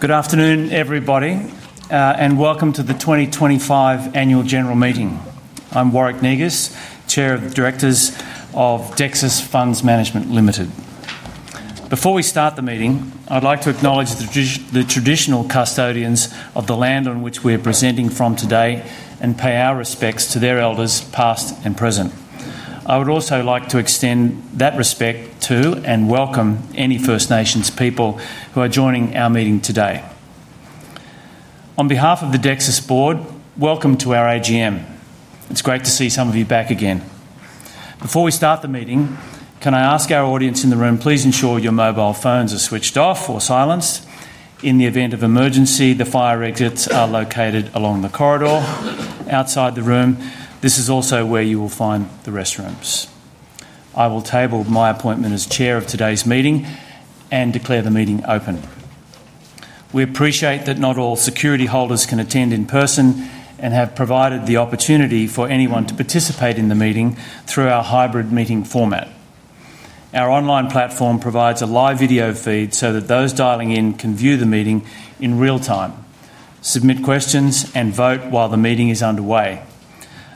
Good afternoon, everybody, and welcome to the 2025 Annual General Meeting. I'm Warwick Negus, Chair of the Directors of Dexus Funds Management Limited. Before we start the meeting, I'd like to acknowledge the traditional custodians of the land on which we are presenting from today and pay our respects to their elders, past and present. I would also like to extend that respect to and welcome any First Nations people who are joining our meeting today. On behalf of the Dexus Board, welcome to our AGM. It's great to see some of you back again. Before we start the meeting, can I ask our audience in the room, please ensure your mobile phones are switched off or silenced? In the event of emergency, the fire exits are located along the corridor. Outside the room, this is also where you will find the restrooms. I will table my appointment as Chair of today's meeting and declare the meeting open. We appreciate that not all security holders can attend in person and have provided the opportunity for anyone to participate in the meeting through our hybrid meeting format. Our online platform provides a live video feed so that those dialing in can view the meeting in real time, submit questions, and vote while the meeting is underway.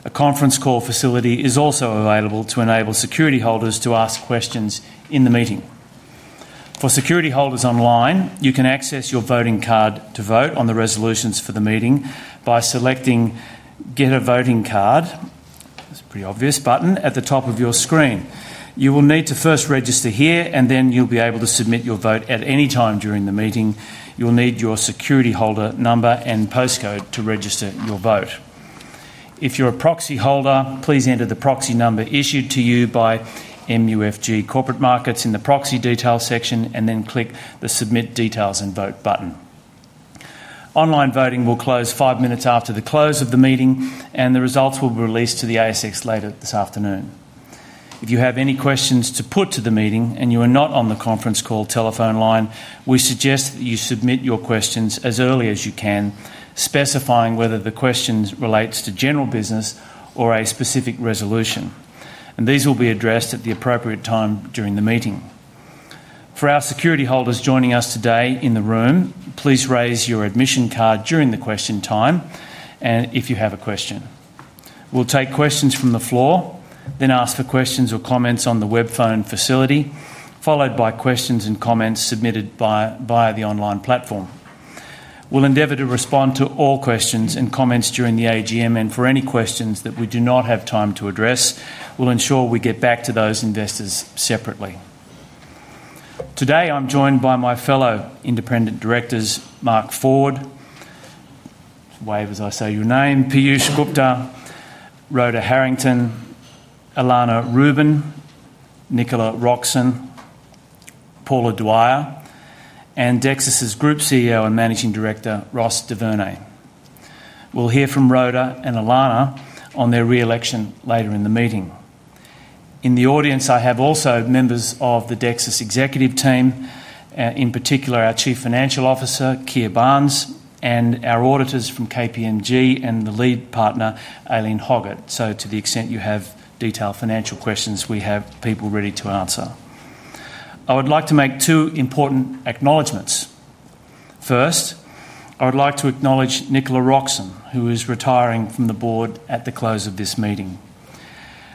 A conference call facility is also available to enable security holders to ask questions in the meeting. For security holders online, you can access your voting card to vote on the resolutions for the meeting by selecting "Get a voting card" at the top of your screen. You will need to first register here, and then you'll be able to submit your vote at any time during the meeting. You'll need your security holder number and postcode to register your vote. If you're a proxy holder, please enter the proxy number issued to you by MUFG Corporate Markets in the proxy details section and then click the "Submit Details and Vote" button. Online voting will close five minutes after the close of the meeting, and the results will be released to the ASX later this afternoon. If you have any questions to put to the meeting and you are not on the conference call telephone line, we suggest that you submit your questions as early as you can, specifying whether the question relates to general business or a specific resolution, and these will be addressed at the appropriate time during the meeting. For our security holders joining us today in the room, please raise your admission card during the question time if you have a question. We'll take questions from the floor, then ask for questions or comments on the web phone facility, followed by questions and comments submitted via the online platform. We'll endeavor to respond to all questions and comments during the AGM, and for any questions that we do not have time to address, we'll ensure we get back to those investors separately. Today, I'm joined by my fellow Independent Directors, Mark Ford—wave as I say your name—Piyush Gupta, Rhoda Harrington, Alana Rubin, Nicola Roxon, Paula Dwyer, and Dexus's Group CEO and Managing Director, Ross Du Vernet. We'll hear from Rhoda and Alana on their re-election later in the meeting. In the audience, I have also members of the Dexus executive team, in particular our Chief Financial Officer, Keir Barnes, and our auditors from KPMG and the lead partner, Aileen Hoggett, so to the extent you have detailed financial questions, we have people ready to answer. I would like to make two important acknowledgements. First, I would like to acknowledge Nicola Roxon, who is retiring from the board at the close of this meeting.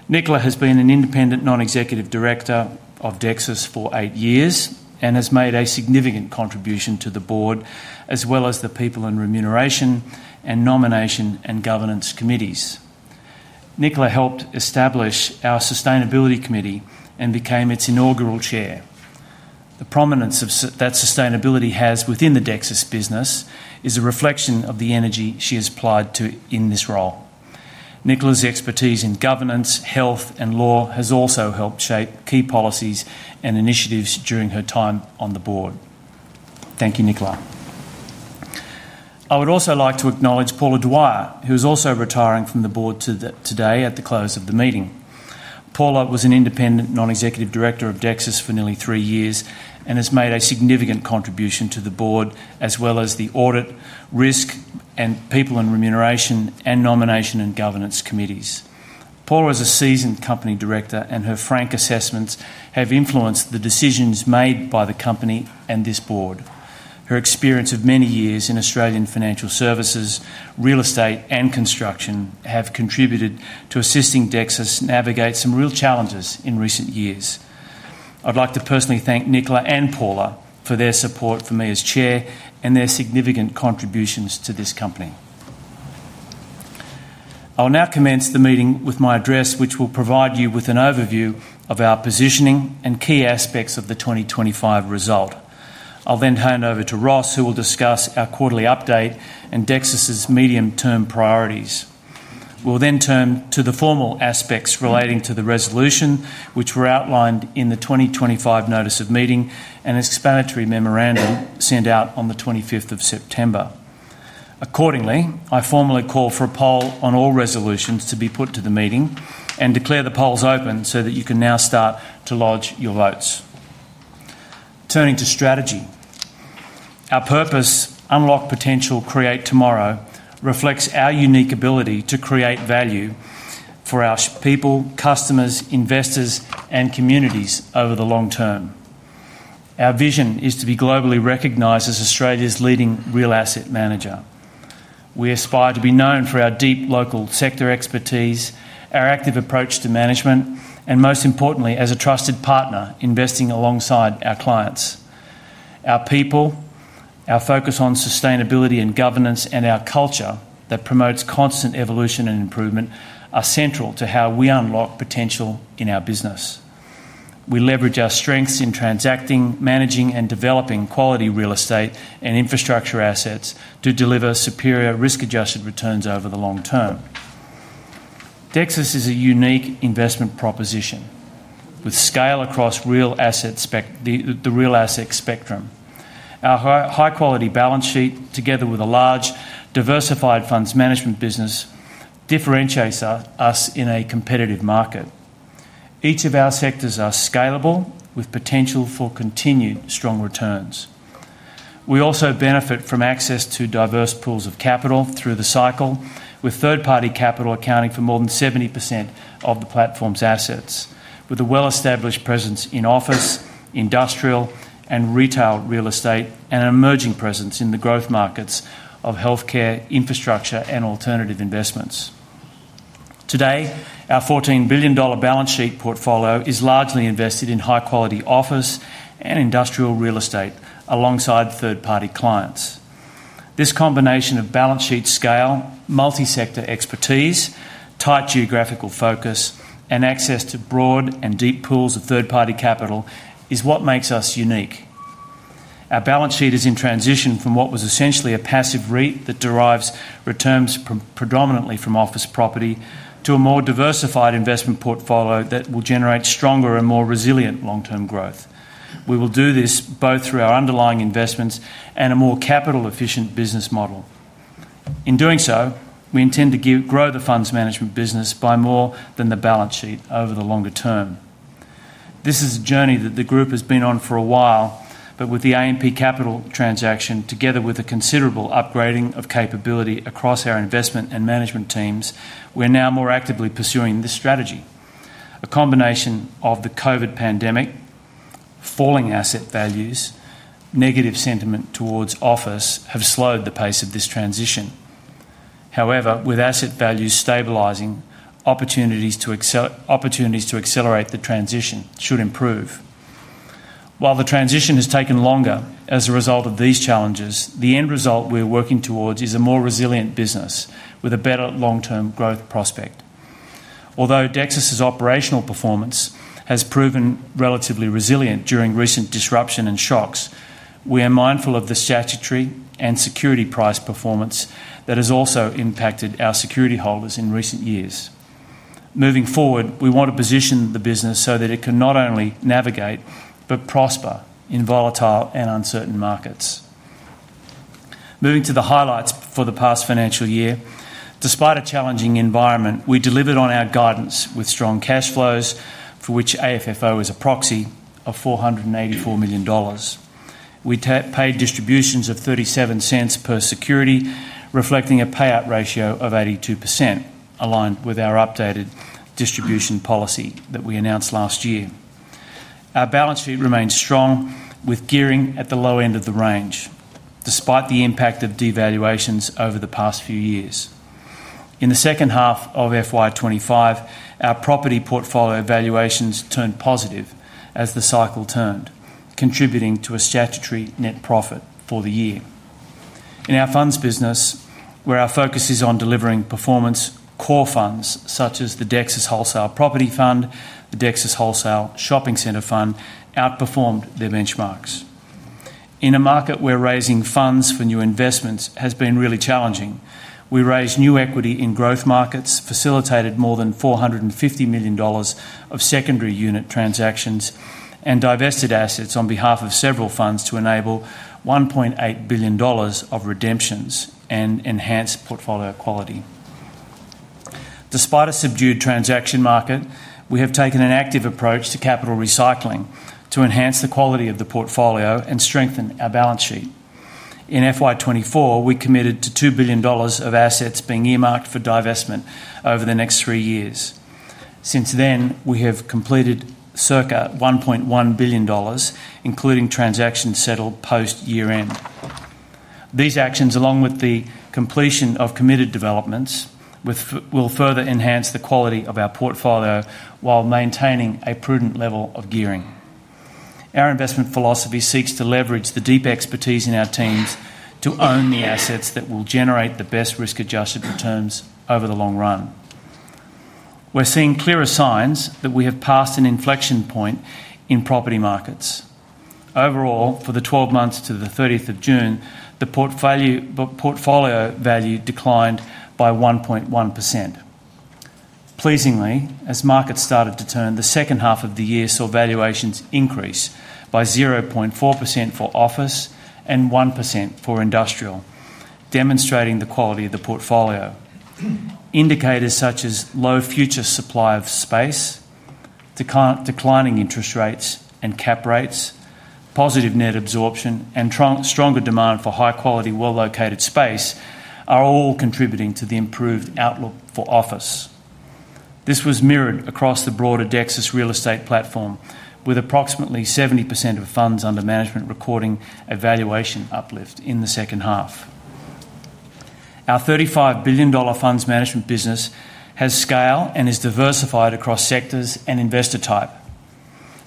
Nicola has been an Independent Non-Executive Director of Dexus for eight years and has made a significant contribution to the board, as well as the People in Remuneration and Nomination and Governance Committees. Nicola helped establish our Sustainability Committee and became its inaugural Chair. The prominence that sustainability has within the Dexus business is a reflection of the energy she has applied in this role. Nicola's expertise in governance, health, and law has also helped shape key policies and initiatives during her time on the board. Thank you, Nicola. I would also like to acknowledge Paula Dwyer, who is also retiring from the board today at the close of the meeting. Paula was an Independent Non-Executive Director of Dexus for nearly three years and has made a significant contribution to the board, as well as the Audit, Risk, and People in Remuneration and Nomination and Governance Committees. Paula is a seasoned Company Director, and her frank assessments have influenced the decisions made by the company and this board. Her experience of many years in Australian financial services, real estate, and construction have contributed to assisting Dexus navigate some real challenges in recent years. I'd like to personally thank Nicola and Paula for their support for me as Chair and their significant contributions to this company. I'll now commence the meeting with my address, which will provide you with an overview of our positioning and key aspects of the 2025 result. I'll then hand over to Ross, who will discuss our quarterly update and Dexus Industria REIT's medium-term priorities. We'll then turn to the formal aspects relating to the resolution, which were outlined in the 2025 Notice of Meeting and Explanatory Memorandum sent out on the 25th of September. Accordingly, I formally call for a poll on all resolutions to be put to the meeting and declare the polls open so that you can now start to lodge your votes. Turning to strategy, our purpose, "Unlock Potential, Create Tomorrow," reflects our unique ability to create value for our people, customers, investors, and communities over the long term. Our vision is to be globally recognized as Australia's leading real asset manager. We aspire to be known for our deep local sector expertise, our active approach to management, and most importantly, as a trusted partner investing alongside our clients. Our people, our focus on sustainability and governance, and our culture that promotes constant evolution and improvement are central to how we unlock potential in our business. We leverage our strengths in transacting, managing, and developing quality real estate and infrastructure assets to deliver superior risk-adjusted returns over the long term. Dexus Industria REIT is a unique investment proposition with scale across the real asset spectrum. Our high-quality balance sheet, together with a large diversified funds management business, differentiates us in a competitive market. Each of our sectors is scalable with potential for continued strong returns. We also benefit from access to diverse pools of capital through the cycle, with third-party capital accounting for more than 70% of the platform's assets, with a well-established presence in office, industrial, and retail real estate, and an emerging presence in the growth markets of healthcare, infrastructure, and alternative investments. Today, our $14 billion balance sheet portfolio is largely invested in high-quality office and industrial real estate alongside third-party clients. This combination of balance sheet scale, multi-sector expertise, tight geographical focus, and access to broad and deep pools of third-party capital is what makes us unique. Our balance sheet is in transition from what was essentially a passive real estate investment trust that derives returns predominantly from office property to a more diversified investment portfolio that will generate stronger and more resilient long-term growth. We will do this both through our underlying investments and a more capital-efficient business model. In doing so, we intend to grow the funds management business by more than the balance sheet over the longer term. This is a journey that the group has been on for a while, but with the A&P Capital transaction, together with a considerable upgrading of capability across our investment and management teams, we're now more actively pursuing this strategy. A combination of the COVID pandemic, falling asset values, and negative sentiment towards office have slowed the pace of this transition. However, with asset values stabilizing, opportunities to accelerate the transition should improve. While the transition has taken longer as a result of these challenges, the end result we're working towards is a more resilient business with a better long-term growth prospect. Although Dexus Industria's operational performance has proven relatively resilient during recent disruption and shocks, we are mindful of the statutory and security price performance that has also impacted our security holders in recent years. Moving forward, we want to position the business so that it can not only navigate but prosper in volatile and uncertain markets. Moving to the highlights for the past financial year, despite a challenging environment, we delivered on our guidance with strong cash flows, for which AFFO is a proxy of $484 million. We paid distributions of $0.37 per security, reflecting a payout ratio of 82%, aligned with our updated distribution policy that we announced last year. Our balance sheet remains strong, with gearing at the low end of the range, despite the impact of devaluations over the past few years. In the second half of FY25, our property portfolio valuations turned positive as the cycle turned, contributing to a statutory net profit for the year. In our funds business, where our focus is on delivering performance, core funds such as the Dexus Wholesale Property Fund, the Dexus Wholesale Shopping Centre Fund outperformed their benchmarks. In a market where raising funds for new investments has been really challenging, we raised new equity in growth markets, facilitated more than $450 million of secondary unit transactions, and divested assets on behalf of several funds to enable $1.8 billion of redemptions and enhance portfolio quality. Despite a subdued transaction market, we have taken an active approach to capital recycling to enhance the quality of the portfolio and strengthen our balance sheet. In FY24, we committed to $2 billion of assets being earmarked for divestment over the next three years. Since then, we have completed circa $1.1 billion, including transactions settled post-year-end. These actions, along with the completion of committed developments, will further enhance the quality of our portfolio while maintaining a prudent level of gearing. Our investment philosophy seeks to leverage the deep expertise in our teams to own the assets that will generate the best risk-adjusted returns over the long run. We're seeing clearer signs that we have passed an inflection point in property markets. Overall, for the 12 months to the 30th of June, the portfolio value declined by 1.1%. Pleasingly, as markets started to turn, the second half of the year saw valuations increase by 0.4% for office and 1% for industrial, demonstrating the quality of the portfolio. Indicators such as low future supply of space, declining interest rates and cap rates, positive net absorption, and stronger demand for high-quality, well-located space are all contributing to the improved outlook for office. This was mirrored across the broader Dexus Industria REIT real estate platform, with approximately 70% of funds under management recording a valuation uplift in the second half. Our $35 billion funds management business has scale and is diversified across sectors and investor type.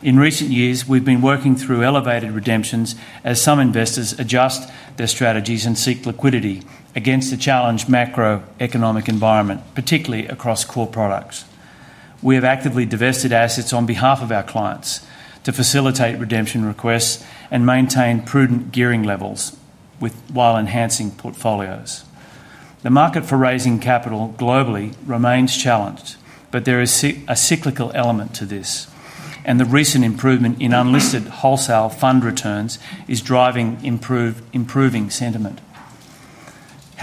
In recent years, we've been working through elevated redemptions as some investors adjust their strategies and seek liquidity against the challenged macroeconomic environment, particularly across core products. We have actively divested assets on behalf of our clients to facilitate redemption requests and maintain prudent gearing levels while enhancing portfolios. The market for raising capital globally remains challenged, but there is a cyclical element to this, and the recent improvement in unlisted wholesale fund returns is driving improving sentiment.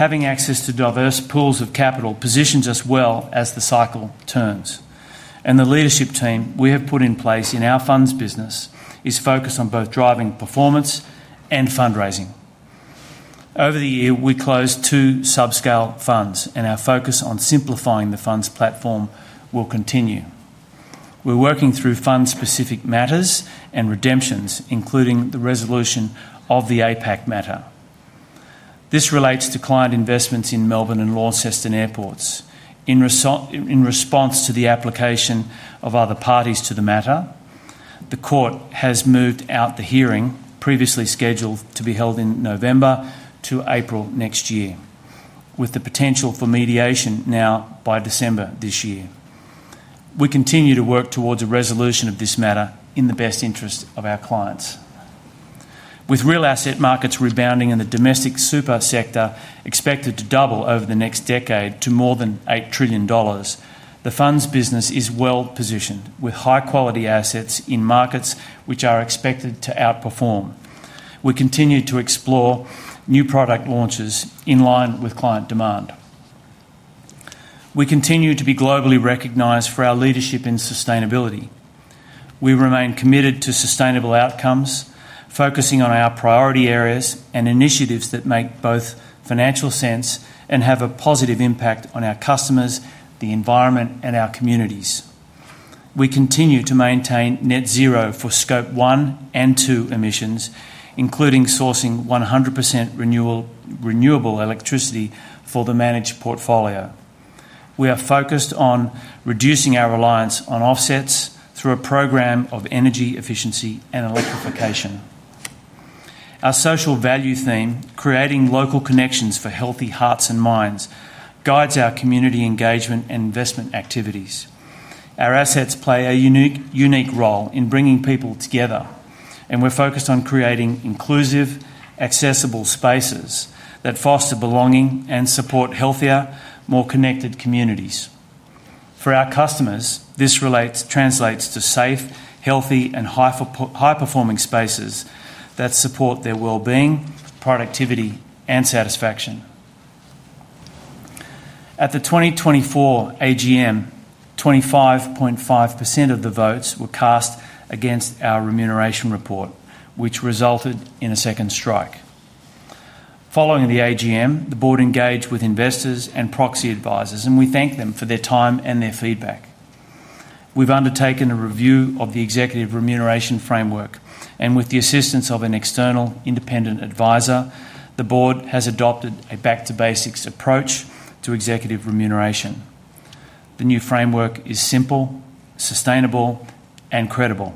Having access to diverse pools of capital positions us well as the cycle turns, and the leadership team we have put in place in our funds business is focused on both driving performance and fundraising. Over the year, we closed two sub-scale funds, and our focus on simplifying the funds platform will continue. We're working through fund-specific matters and redemptions, including the resolution of the APAC matter. This relates to client investments in Melbourne and Launceston airports. In response to the application of other parties to the matter, the court has moved out the hearing previously scheduled to be held in November to April next year, with the potential for mediation now by December this year. We continue to work towards a resolution of this matter in the best interest of our clients. With real asset markets rebounding and the domestic super sector expected to double over the next decade to more than $8 trillion, the funds business is well positioned with high-quality assets in markets which are expected to outperform. We continue to explore new product launches in line with client demand. We continue to be globally recognized for our leadership in sustainability. We remain committed to sustainable outcomes, focusing on our priority areas and initiatives that make both financial sense and have a positive impact on our customers, the environment, and our communities. We continue to maintain net zero for Scope 1 and 2 emissions, including sourcing 100% renewable electricity for the managed portfolio. We are focused on reducing our reliance on offsets through a program of energy efficiency and electrification. Our social value theme, "Creating Local Connections for Healthy Hearts and Minds," guides our community engagement and investment activities. Our assets play a unique role in bringing people together, and we're focused on creating inclusive, accessible spaces that foster belonging and support healthier, more connected communities. For our customers, this translates to safe, healthy, and high-performing spaces that support their well-being, productivity, and satisfaction. At the 2024 AGM, 25.5% of the votes were cast against our remuneration report, which resulted in a second strike. Following the AGM, the board engaged with investors and proxy advisors, and we thank them for their time and their feedback. We've undertaken a review of the executive remuneration framework, and with the assistance of an external independent advisor, the Board has adopted a back-to-basics approach to executive remuneration. The new framework is simple, sustainable, and credible.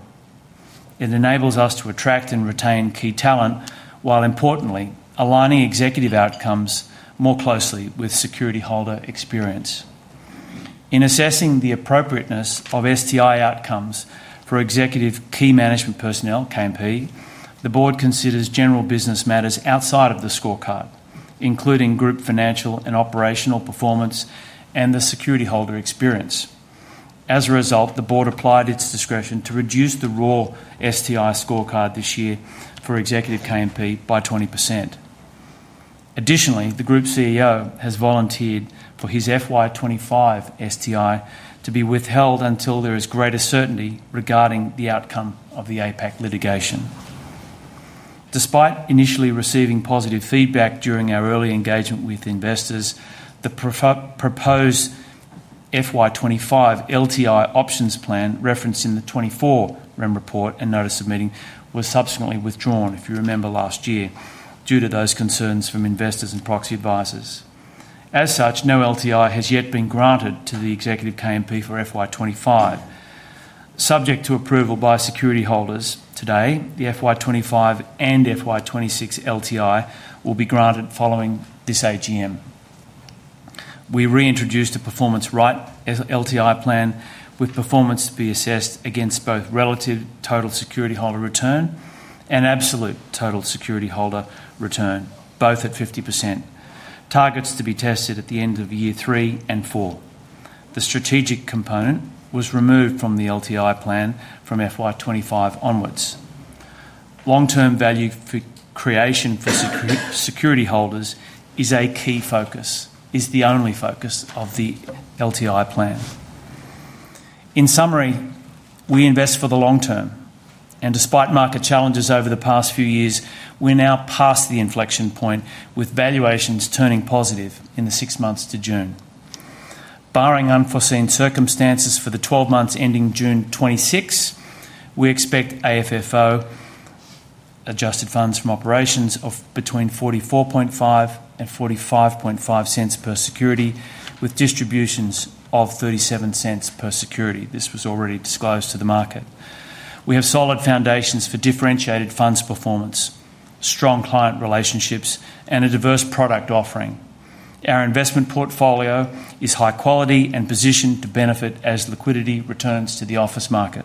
It enables us to attract and retain key talent, while importantly aligning executive outcomes more closely with security holder experience. In assessing the appropriateness of STI outcomes for executive key management personnel, KMP, the Board considers general business matters outside of the scorecard, including group financial and operational performance and the security holder experience. As a result, the Board applied its discretion to reduce the raw STI scorecard this year for executive KMP by 20%. Additionally, the Group CEO has volunteered for his FY25 STI to be withheld until there is greater certainty regarding the outcome of the APAC litigation. Despite initially receiving positive feedback during our early engagement with investors, the proposed FY25 LTI options plan referenced in the 2024 remuneration report and notice of meeting was subsequently withdrawn, if you remember last year, due to those concerns from investors and proxy advisors. As such, no LTI has yet been granted to the executive KMP for FY25. Subject to approval by security holders today, the FY25 and FY26 LTI will be granted following this AGM. We reintroduced a performance right LTI plan with performance to be assessed against both relative total security holder return and absolute total security holder return, both at 50%. Targets to be tested at the end of year three and four. The strategic component was removed from the LTI plan from FY25 onwards. Long-term value creation for security holders is a key focus, is the only focus of the LTI plan. In summary, we invest for the long term, and despite market challenges over the past few years, we're now past the inflection point with valuations turning positive in the six months to June. Barring unforeseen circumstances for the 12 months ending June 2026, we expect AFFO-adjusted funds from operations of between $0.445 and $0.455 per security, with distributions of $0.37 per security. This was already disclosed to the market. We have solid foundations for differentiated funds performance, strong client relationships, and a diverse product offering. Our investment portfolio is high quality and positioned to benefit as liquidity returns to the office market.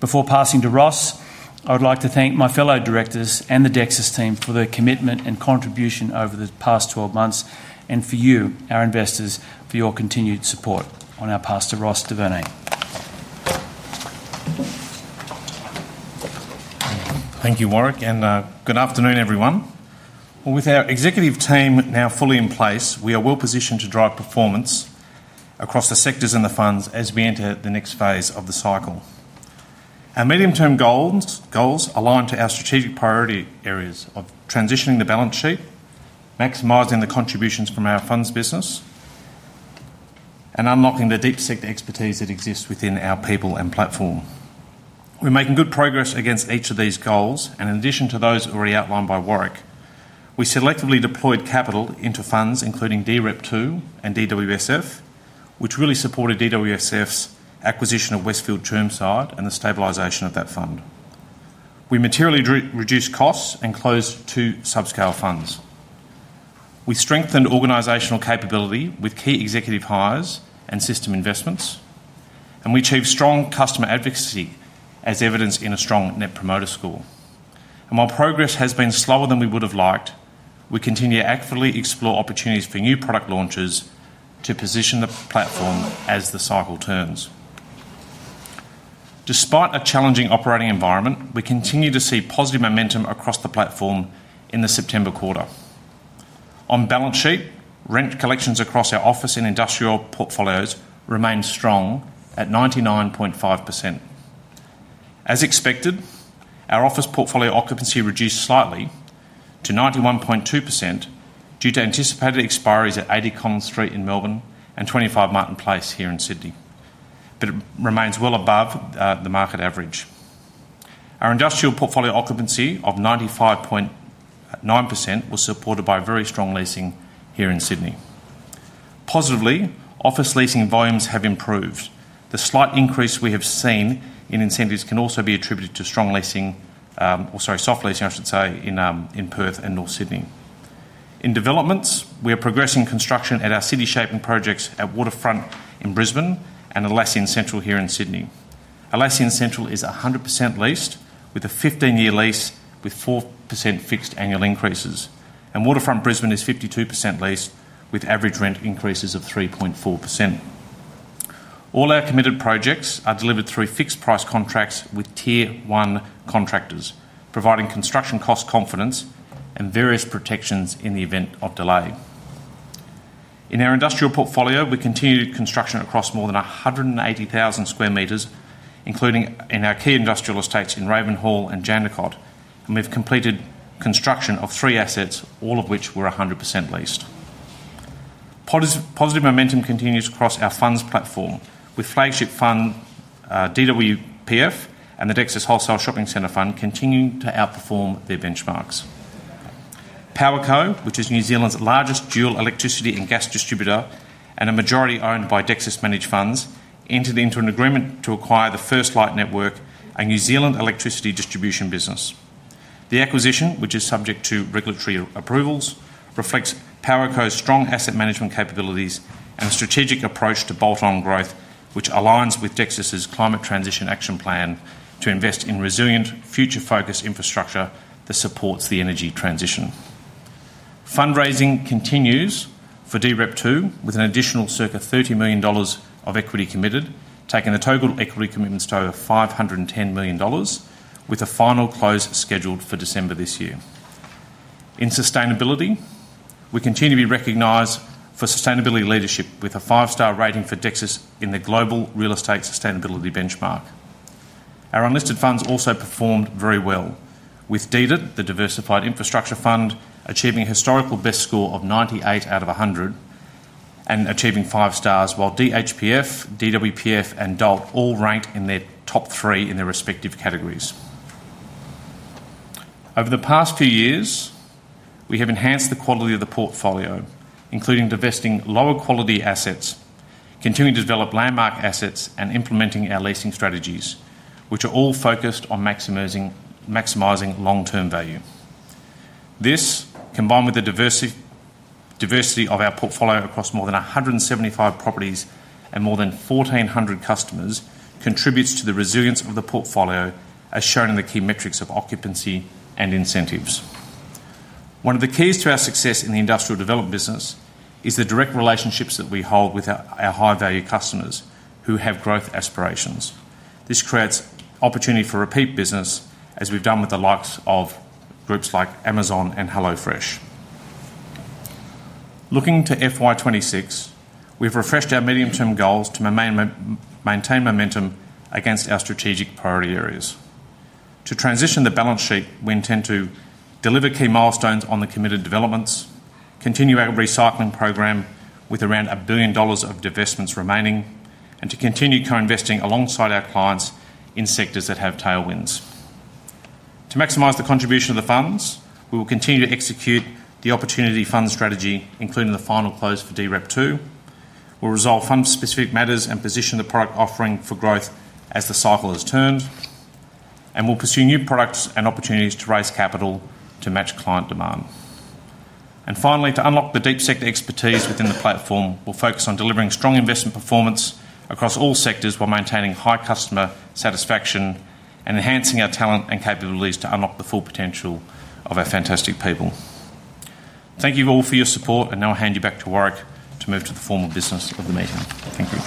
Before passing to Ross, I would like to thank my fellow directors and the Dexus team for their commitment and contribution over the past 12 months, and for you, our investors, for your continued support. On our path to Ross Du Vernet. Thank you, Warwick, and good afternoon, everyone. With our executive team now fully in place, we are well positioned to drive performance across the sectors and the funds as we enter the next phase of the cycle. Our medium-term goals align to our strategic priority areas of transitioning the balance sheet, maximizing the contributions from our funds business, and unlocking the deep sector expertise that exists within our people and platform. We're making good progress against each of these goals, and in addition to those already outlined by Warwick, we selectively deployed capital into funds, including DREP2 and Dexus Wholesale Shopping Centre Fund, which really supported Dexus Wholesale Shopping Centre Fund's acquisition of Westfield Chermside and the stabilization of that fund. We materially reduced costs and closed two sub-scale funds. We strengthened organizational capability with key executive hires and system investments, and we achieved strong customer advocacy, as evidenced in a strong net promoter score. While progress has been slower than we would have liked, we continue to actively explore opportunities for new product launches to position the platform as the cycle turns. Despite a challenging operating environment, we continue to see positive momentum across the platform in the September quarter. On balance sheet, rent collections across our office and industrial portfolios remain strong at 99.5%. As expected, our office portfolio occupancy reduced slightly to 91.2% due to anticipated expiry at 80 Collins Street in Melbourne and 25 Martin Place here in Sydney, but it remains well above the market average. Our industrial portfolio occupancy of 95.9% was supported by very strong leasing here in Sydney. Positively, office leasing volumes have improved. The slight increase we have seen in incentives can also be attributed to soft leasing, I should say, in Perth and North Sydney. In developments, we are progressing construction at our city shaping projects at Waterfront in Brisbane and Atlassian Central here in Sydney. Atlassian Central is 100% leased, with a 15-year lease with 4% fixed annual increases, and Waterfront Brisbane is 52% leased with average rent increases of 3.4%. All our committed projects are delivered through fixed price contracts with Tier 1 contractors, providing construction cost confidence and various protections in the event of delay. In our industrial portfolio, we continue construction across more than 180,000 square meters, including in our key industrial estates in Ravenhall and Jandakot, and we've completed construction of three assets, all of which were 100% leased. Positive momentum continues across our funds platform, with flagship fund Dexus Wholesale Property Fund and the Dexus Wholesale Shopping Centre Fund continuing to outperform their benchmarks. PowerCo, which is New Zealand's largest dual electricity and gas distributor and majority owned by Dexus Managed Funds, entered into an agreement to acquire the First Light Network, a New Zealand electricity distribution business. The acquisition, which is subject to regulatory approvals, reflects PowerCo's strong asset management capabilities and strategic approach to bolt-on growth, which aligns with Dexus's Climate Transition Action Plan to invest in resilient, future-focused infrastructure that supports the energy transition. Fundraising continues for DREP2, with an additional approximately $30 million of equity committed, taking the total equity commitments to over $510 million, with a final close scheduled for December this year. In sustainability, we continue to be recognized for sustainability leadership, with a five-star rating for Dexus in the Global Real Estate Sustainability Benchmark. Our unlisted funds also performed very well, with Dexus Diversified Infrastructure Trust, the Diversified Infrastructure Fund, achieving a historical best score of 98 out of 100 and achieving five stars, while Dexus Healthcare Property Fund, Dexus Wholesale Property Fund, and Dexus Office Land Trust all rank in their top three in their respective categories. Over the past few years, we have enhanced the quality of the portfolio, including divesting lower quality assets, continuing to develop landmark assets, and implementing our leasing strategies, which are all focused on maximizing long-term value. This, combined with the diversity of our portfolio across more than 175 properties and more than 1,400 customers, contributes to the resilience of the portfolio, as shown in the key metrics of occupancy and incentives. One of the keys to our success in the industrial development business is the direct relationships that we hold with our high-value customers who have growth aspirations. This creates opportunity for repeat business, as we've done with the likes of groups like Amazon and HelloFresh. Looking to FY26, we've refreshed our medium-term goals to maintain momentum against our strategic priority areas. To transition the balance sheet, we intend to deliver key milestones on the committed developments, continue our recycling program with around $1 billion of divestments remaining, and to continue co-investing alongside our clients in sectors that have tailwinds. To maximize the contribution of the funds, we will continue to execute the opportunity fund strategy, including the final close for DREP2. We'll resolve fund-specific matters and position the product offering for growth as the cycle has turned, and we'll pursue new products and opportunities to raise capital to match client demand. Finally, to unlock the deep sector expertise within the platform, we'll focus on delivering strong investment performance across all sectors while maintaining high customer satisfaction and enhancing our talent and capabilities to unlock the full potential of our fantastic people. Thank you all for your support, and now I'll hand you back to Warwick to move to the formal business of the meeting. Thank you.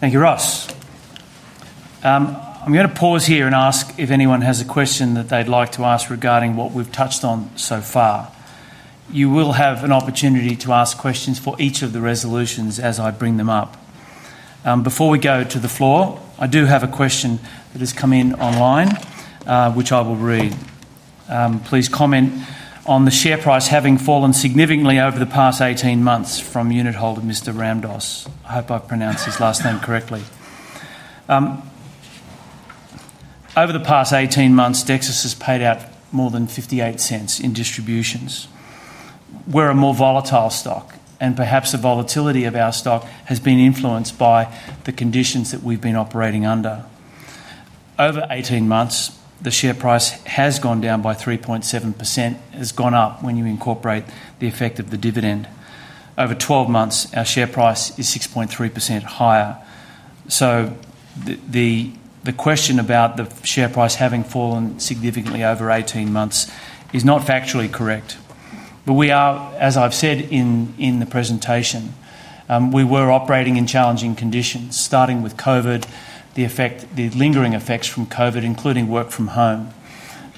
Thank you, Ross. I'm going to pause here and ask if anyone has a question that they'd like to ask regarding what we've touched on so far. You will have an opportunity to ask questions for each of the resolutions as I bring them up. Before we go to the floor, I do have a question that has come in online, which I will read. Please comment on the share price having fallen significantly over the past 18 months from unit holder Mr. Ramdos. I hope I've pronounced his last name correctly. Over the past 18 months, Dexus has paid out more than $0.58 in distributions. We're a more volatile stock, and perhaps the volatility of our stock has been influenced by the conditions that we've been operating under. Over 18 months, the share price has gone down by 3.7%. It has gone up when you incorporate the effect of the dividend. Over 12 months, our share price is 6.3% higher. The question about the share price having fallen significantly over 18 months is not factually correct, but we are, as I've said in the presentation, we were operating in challenging conditions, starting with COVID, the lingering effects from COVID, including work from home,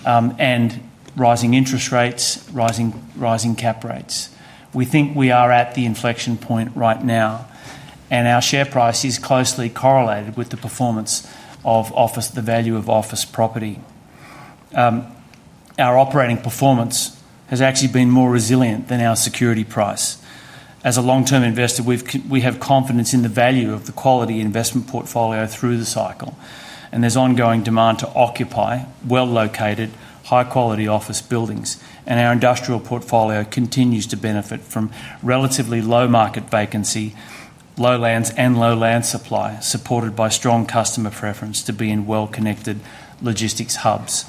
and rising interest rates, rising cap rates. We think we are at the inflection point right now, and our share price is closely correlated with the performance of the value of office property. Our operating performance has actually been more resilient than our security price. As a long-term investor, we have confidence in the value of the quality investment portfolio through the cycle, and there's ongoing demand to occupy well-located, high-quality office buildings. Our industrial portfolio continues to benefit from relatively low market vacancy, low land, and low land supply, supported by strong customer preference to be in well-connected logistics hubs.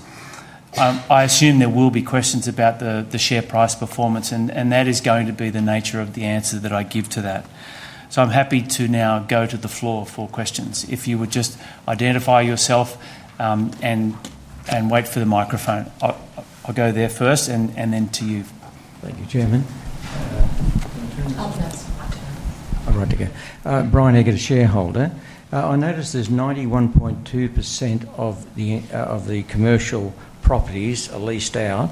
I assume there will be questions about the share price performance, and that is going to be the nature of the answer that I give to that. I'm happy to now go to the floor for questions. If you would just identify yourself and wait for the microphone, I'll go there first and then to you. Thank you, Chairman. I'll go next. I'm ready to go. Brian Eggett, a shareholder. I noticed there's 91.2% of the commercial properties are leased out.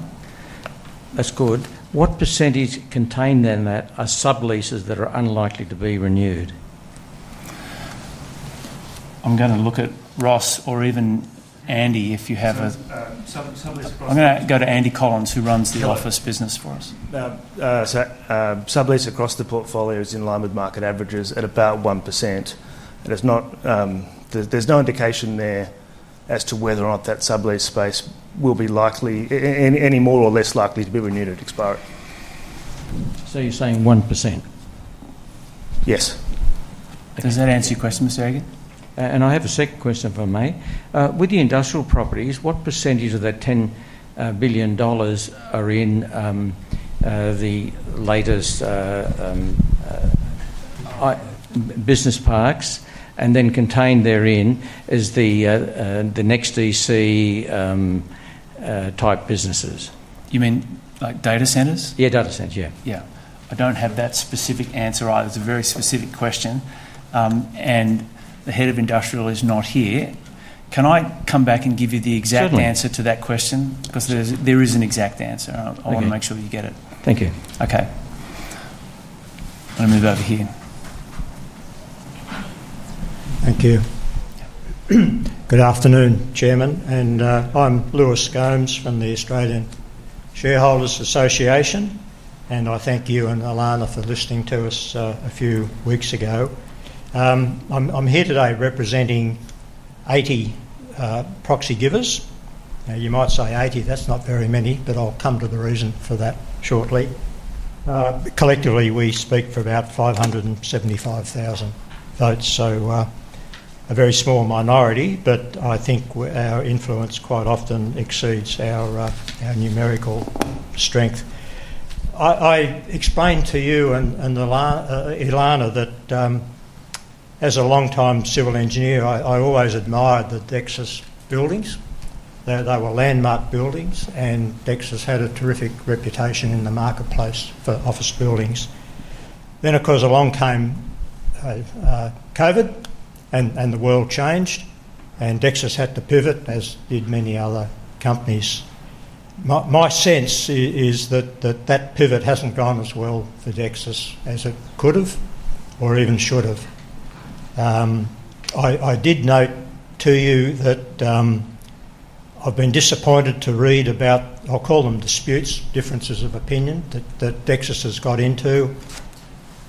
That's good. What percentage contain then that are sub-leases that are unlikely to be renewed? I'm going to look at Ross or even Andy, if you have a... I'm going to go to Andy Collins, who runs the office business for us now. Sub-lease across the portfolio is in line with market averages at about 1%. There's no indication there as to whether or not that sub-lease space will be any more or less likely to be renewed at expiry. You're saying 1%? Yes. Does that answer your question, Mr. Eggett? I have a second question if I may. With the industrial properties, what % of that $10 billion are in the latest business parks, and then contained therein is the next DC type businesses? You mean like data centres? Yeah, data centres. Yeah. I don't have that specific answer either. It's a very specific question, and the Head of Industrial is not here. Can I come back and give you the exact answer to that question? There is an exact answer, and I want to make sure you get it. Thank you. Okay. I'm going to move over here. Thank you. Good afternoon, Chairman, and I'm Lewis Gomes from the Australian Shareholders Association, and I thank you and Alana for listening to us a few weeks ago. I'm here today representing 80 proxy givers. Now you might say 80, that's not very many, but I'll come to the reason for that shortly. Collectively, we speak for about 575,000 votes, so a very small minority, but I think our influence quite often exceeds our numerical strength. I explained to you and Alana that as a long-time civil engineer, I always admired the Dexus buildings. They were landmark buildings, and Dexus had a terrific reputation in the marketplace for office buildings. Of course, along came COVID, and the world changed, and Dexus had to pivot, as did many other companies. My sense is that that pivot hasn't gone as well for Dexus as it could have or even should have. I did note to you that I've been disappointed to read about, I'll call them disputes, differences of opinion that Dexus has got into.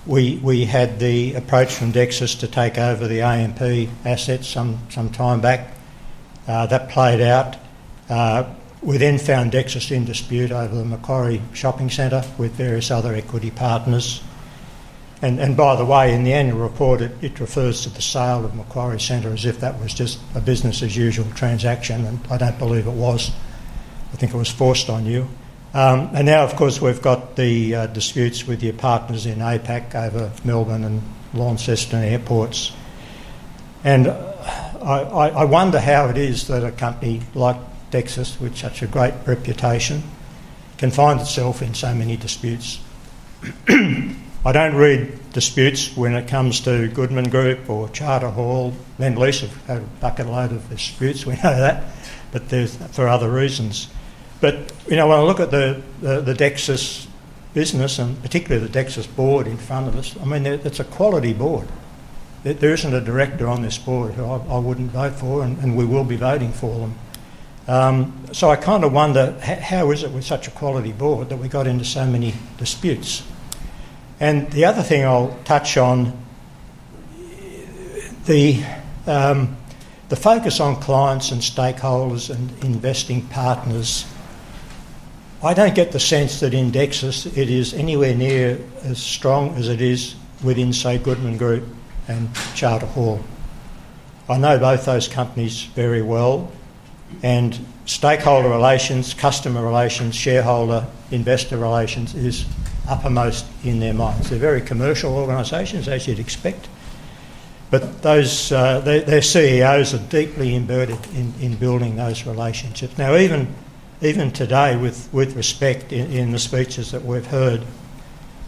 We had the approach from Dexus to take over the A&P assets some time back. That played out. We then found Dexus in dispute over the Macquarie Shopping Centre with various other equity partners. By the way, in the annual report, it refers to the sale of Macquarie Centre as if that was just a business as usual transaction, and I don't believe it was. I think it was forced on you. Now, of course, we've got the disputes with your partners in APAC over Melbourne and Launceston airports, and I wonder how it is that a company like Dexus, with such a great reputation, can find itself in so many disputes. I don't read disputes when it comes to Goodman Group or Charter Hall. LendLease have had a bucket load of disputes. We know that, but for other reasons. When I look at the Dexus business, and particularly the Dexus board in front of us, I mean, it's a quality board. There isn't a director on this board who I wouldn't vote for, and we will be voting for them. I kind of wonder, how is it with such a quality board that we got into so many disputes? The other thing I'll touch on, the focus on clients and stakeholders and investing partners, I don't get the sense that in Dexus it is anywhere near as strong as it is within, say, Goodman Group and Charter Hall. I know both those companies very well, and stakeholder relations, customer relations, shareholder-investor relations is uppermost in their minds. They're very commercial organizations, as you'd expect, but their CEOs are deeply invested in building those relationships. Now, even today, with respect in the speeches that we've heard,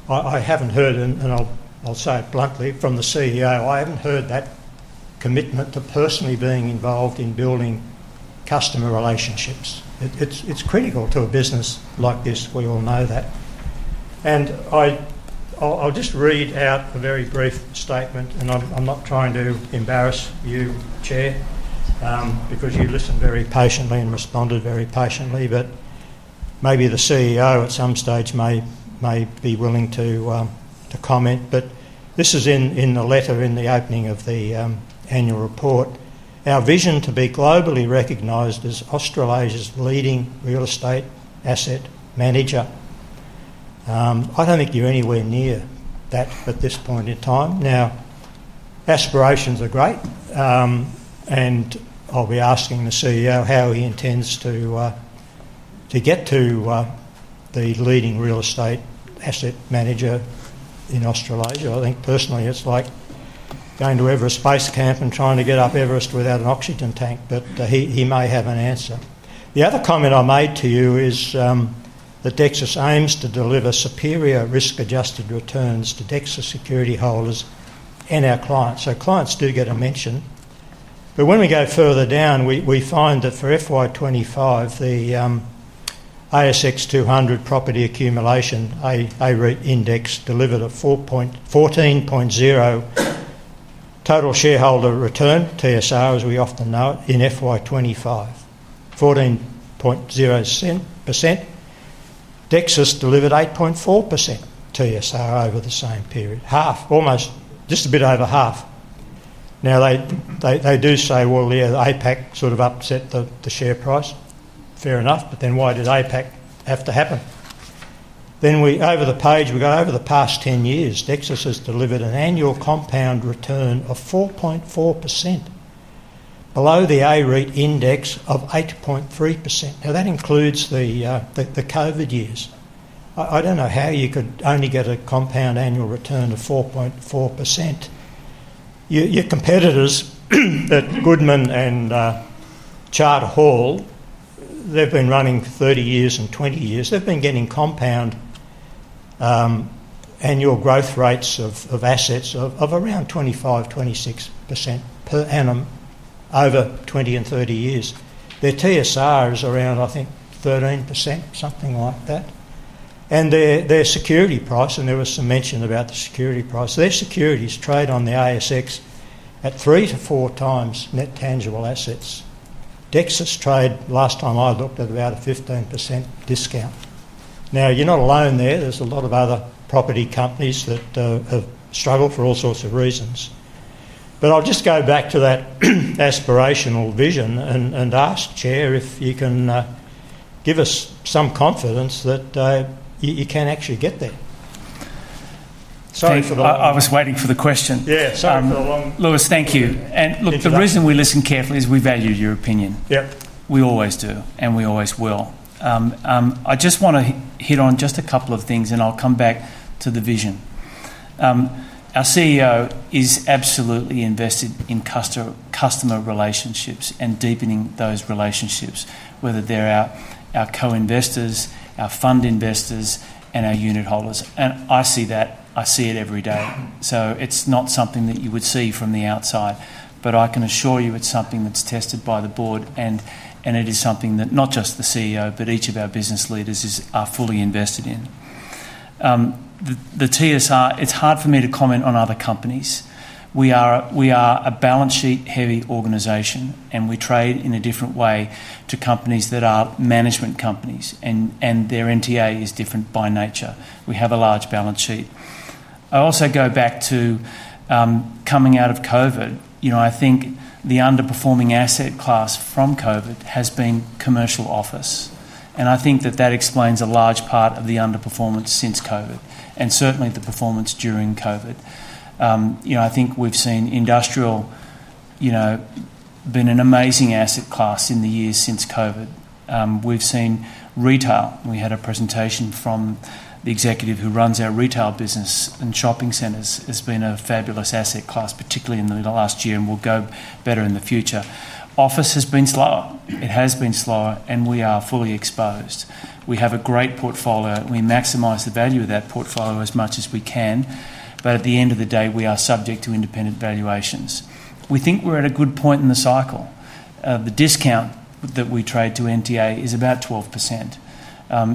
I haven't heard, and I'll say it bluntly, from the CEO, I haven't heard that commitment to personally being involved in building customer relationships. It's critical to a business like this. We all know that. I'll just read out a very brief statement, and I'm not trying to embarrass you, Chair, because you listened very patiently and responded very patiently, but maybe the CEO at some stage may be willing to comment. This is in the letter in the opening of the annual report. Our vision is to be globally recognized as Australasia's leading real estate asset manager. I don't think you're anywhere near that at this point in time. Aspirations are great, and I'll be asking the CEO how he intends to get to the leading real estate asset manager in Australasia. I think personally, it's like going to Everest Base Camp and trying to get up Everest without an oxygen tank, but he may have an answer. The other comment I made to you is that Dexus aims to deliver superior risk-adjusted returns to Dexus security holders and our clients. So clients do get a mention. When we go further down, we find that for FY25, the ASX 200 property accumulation A-REIT index delivered a 14.0% total shareholder return, TSR, as we often know it, in FY25, 14.0%. Dexus delivered 8.4% TSR over the same period. Half, almost just a bit over half. They do say, yeah, APAC sort of upset the share price. Fair enough, but why did APAC have to happen? Over the page, we go over the past 10 years, Dexus has delivered an annual compound return of 4.4% below the A-REIT index of 8.3%. That includes the COVID years. I don't know how you could only get a compound annual return of 4.4%. Your competitors at Goodman Group and Charter Hall, they've been running 30 years and 20 years. They've been getting compound annual growth rates of assets of around 25%, 26% per annum over 20 and 30 years. Their TSR is around, I think, 13%, something like that. Their security price, and there was some mention about the security price, their securities trade on the ASX at three to four times net tangible assets. Dexus trade, last time I looked, at about a 15% discount. You're not alone there. There's a lot of other property companies that have struggled for all sorts of reasons. I'll just go back to that aspirational vision and ask, Chair, if you can give us some confidence that you can actually get there. Sorry for the. I was waiting for the question. Yeah, sorry. Lewis, thank you. The reason we listen carefully is we value your opinion. Yeah. We always do, and we always will. I just want to hit on just a couple of things, and I'll come back to the vision. Our CEO is absolutely invested in customer relationships and deepening those relationships, whether they're our co-investors, our fund investors, and our unit holders. I see that. I see it every day. It's not something that you would see from the outside, but I can assure you it's something that's tested by the board, and it is something that not just the CEO, but each of our business leaders are fully invested in. The TSR, it's hard for me to comment on other companies. We are a balance sheet heavy organization, and we trade in a different way to companies that are management companies, and their NTA is different by nature. We have a large balance sheet. I also go back to coming out of COVID. I think the underperforming asset class from COVID has been commercial office, and I think that explains a large part of the underperformance since COVID, and certainly the performance during COVID. I think we've seen industrial, you know, been an amazing asset class in the years since COVID. We've seen retail. We had a presentation from the executive who runs our retail business, and shopping centers has been a fabulous asset class, particularly in the last year, and will go better in the future. Office has been slower. It has been slower, and we are fully exposed. We have a great portfolio. We maximize the value of that portfolio as much as we can, but at the end of the day, we are subject to independent valuations. We think we're at a good point in the cycle. The discount that we trade to NTA is about 12%.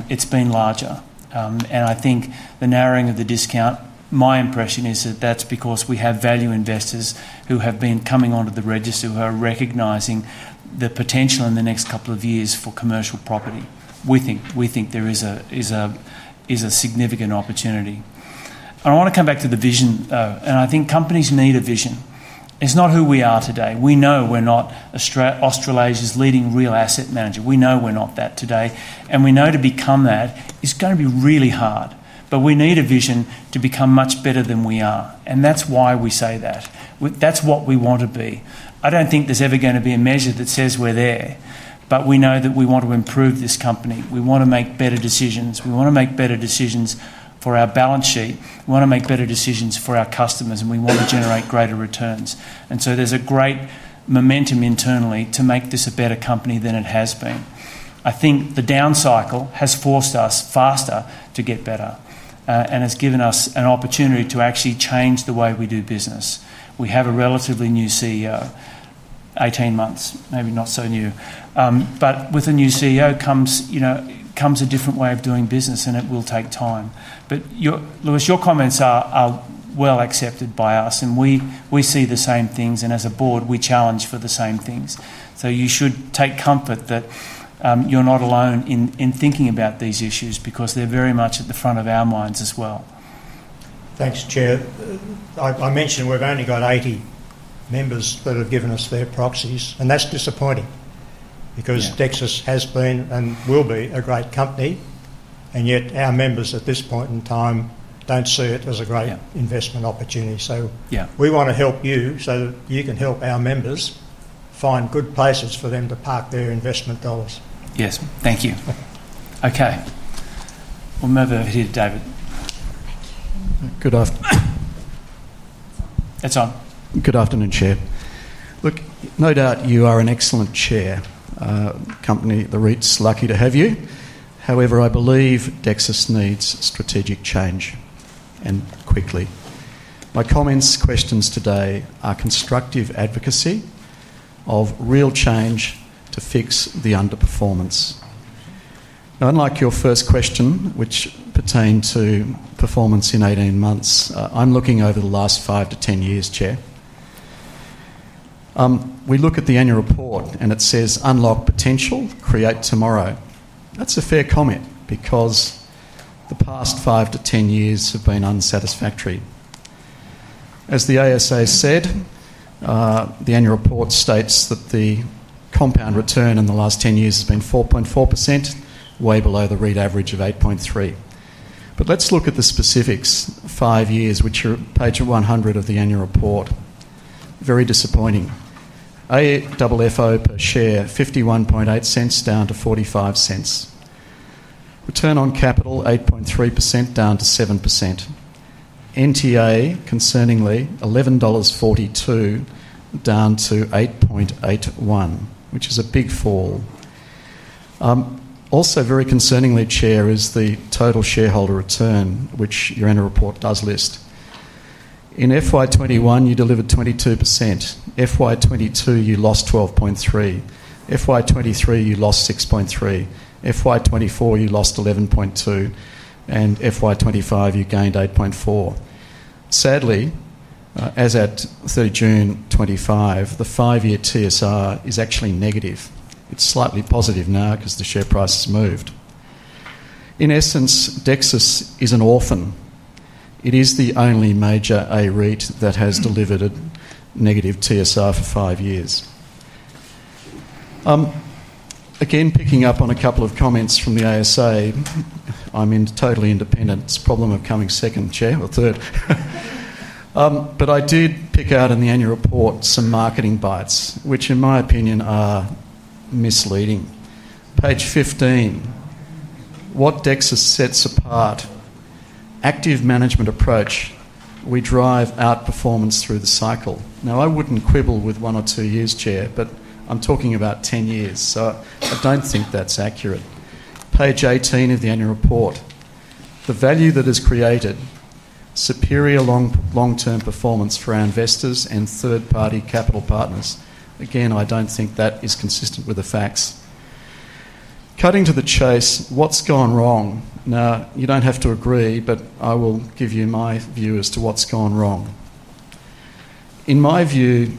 It's been larger, and I think the narrowing of the discount, my impression is that that's because we have value investors who have been coming onto the register, who are recognizing the potential in the next couple of years for commercial property. We think there is a significant opportunity. I want to come back to the vision, though, and I think companies need a vision. It's not who we are today. We know we're not Australia's leading real asset manager. We know we're not that today, and we know to become that is going to be really hard, but we need a vision to become much better than we are, and that's why we say that. That's what we want to be. I don't think there's ever going to be a measure that says we're there, but we know that we want to improve this company. We want to make better decisions. We want to make better decisions for our balance sheet. We want to make better decisions for our customers, and we want to generate greater returns. There is great momentum internally to make this a better company than it has been. I think the down cycle has forced us faster to get better and has given us an opportunity to actually change the way we do business. We have a relatively new CEO, 18 months, maybe not so new, but with a new CEO comes a different way of doing business, and it will take time. Lewis, your comments are well accepted by us, and we see the same things. As a board, we challenge for the same things. You should take comfort that you're not alone in thinking about these issues because they're very much at the front of our minds as well. Thanks, Chair. I mentioned we've only got 80 members that have given us their proxies, and that's disappointing because Dexus Industria has been and will be a great company, yet our members at this point in time don't see it as a great investment opportunity. We want to help you so that you can help our members find good places for them to park their investment dollars. Yes, thank you. Okay, we'll move over here, David. Thank you. Good afternoon. It's on. Good afternoon, Chair. No doubt you are an excellent Chair. The company, the REITs, are lucky to have you. However, I believe Dexus Industria needs strategic change and quickly. My comments and questions today are constructive advocacy of real change to fix the underperformance. Unlike your first question, which pertained to performance in 18 months, I'm looking over the last 5 to 10 years, Chair. We look at the annual report, and it says, "Unlock potential, create tomorrow." That's a fair comment because the past 5 to 10 years have been unsatisfactory. As the Australian Shareholders Association said, the annual report states that the compound return in the last 10 years has been 4.4%, way below the REIT average of 8.3%. Let's look at the specifics for five years, which are on page 100 of the annual report. Very disappointing. AFFO per share, $0.518 down to $0.45. Return on capital, 8.3% down to 7%. NTA, concerningly, $11.42 down to $8.81, which is a big fall. Also, very concerningly, Chair, is the total shareholder return, which your annual report does list. In FY21, you delivered 22%. FY22, you lost 12.3%. FY23, you lost 6.3%. FY24, you lost 11.2%. FY25, you gained 8.4%. Sadly, as at through June 2025, the five-year TSR is actually negative. It's slightly positive now because the share price has moved. In essence, Dexus Industria is an orphan. It is the only major A-REIT that has delivered a negative TSR for five years. Again, picking up on a couple of comments from the Australian Shareholders Association, I'm in total independence. Problem of coming second, Chair, or third. I did pick out in the annual report some marketing bites, which in my opinion are misleading. Page 15, what Dexus Industria sets apart: active management approach. We drive outperformance through the cycle. I wouldn't quibble with one or two years, Chair, but I'm talking about 10 years, so I don't think that's accurate. Page 18 of the annual report, the value that is created, superior long-term performance for our investors and third-party capital partners. I don't think that is consistent with the facts. Cutting to the chase, what's gone wrong? You don't have to agree, but I will give you my view as to what's gone wrong. In my view,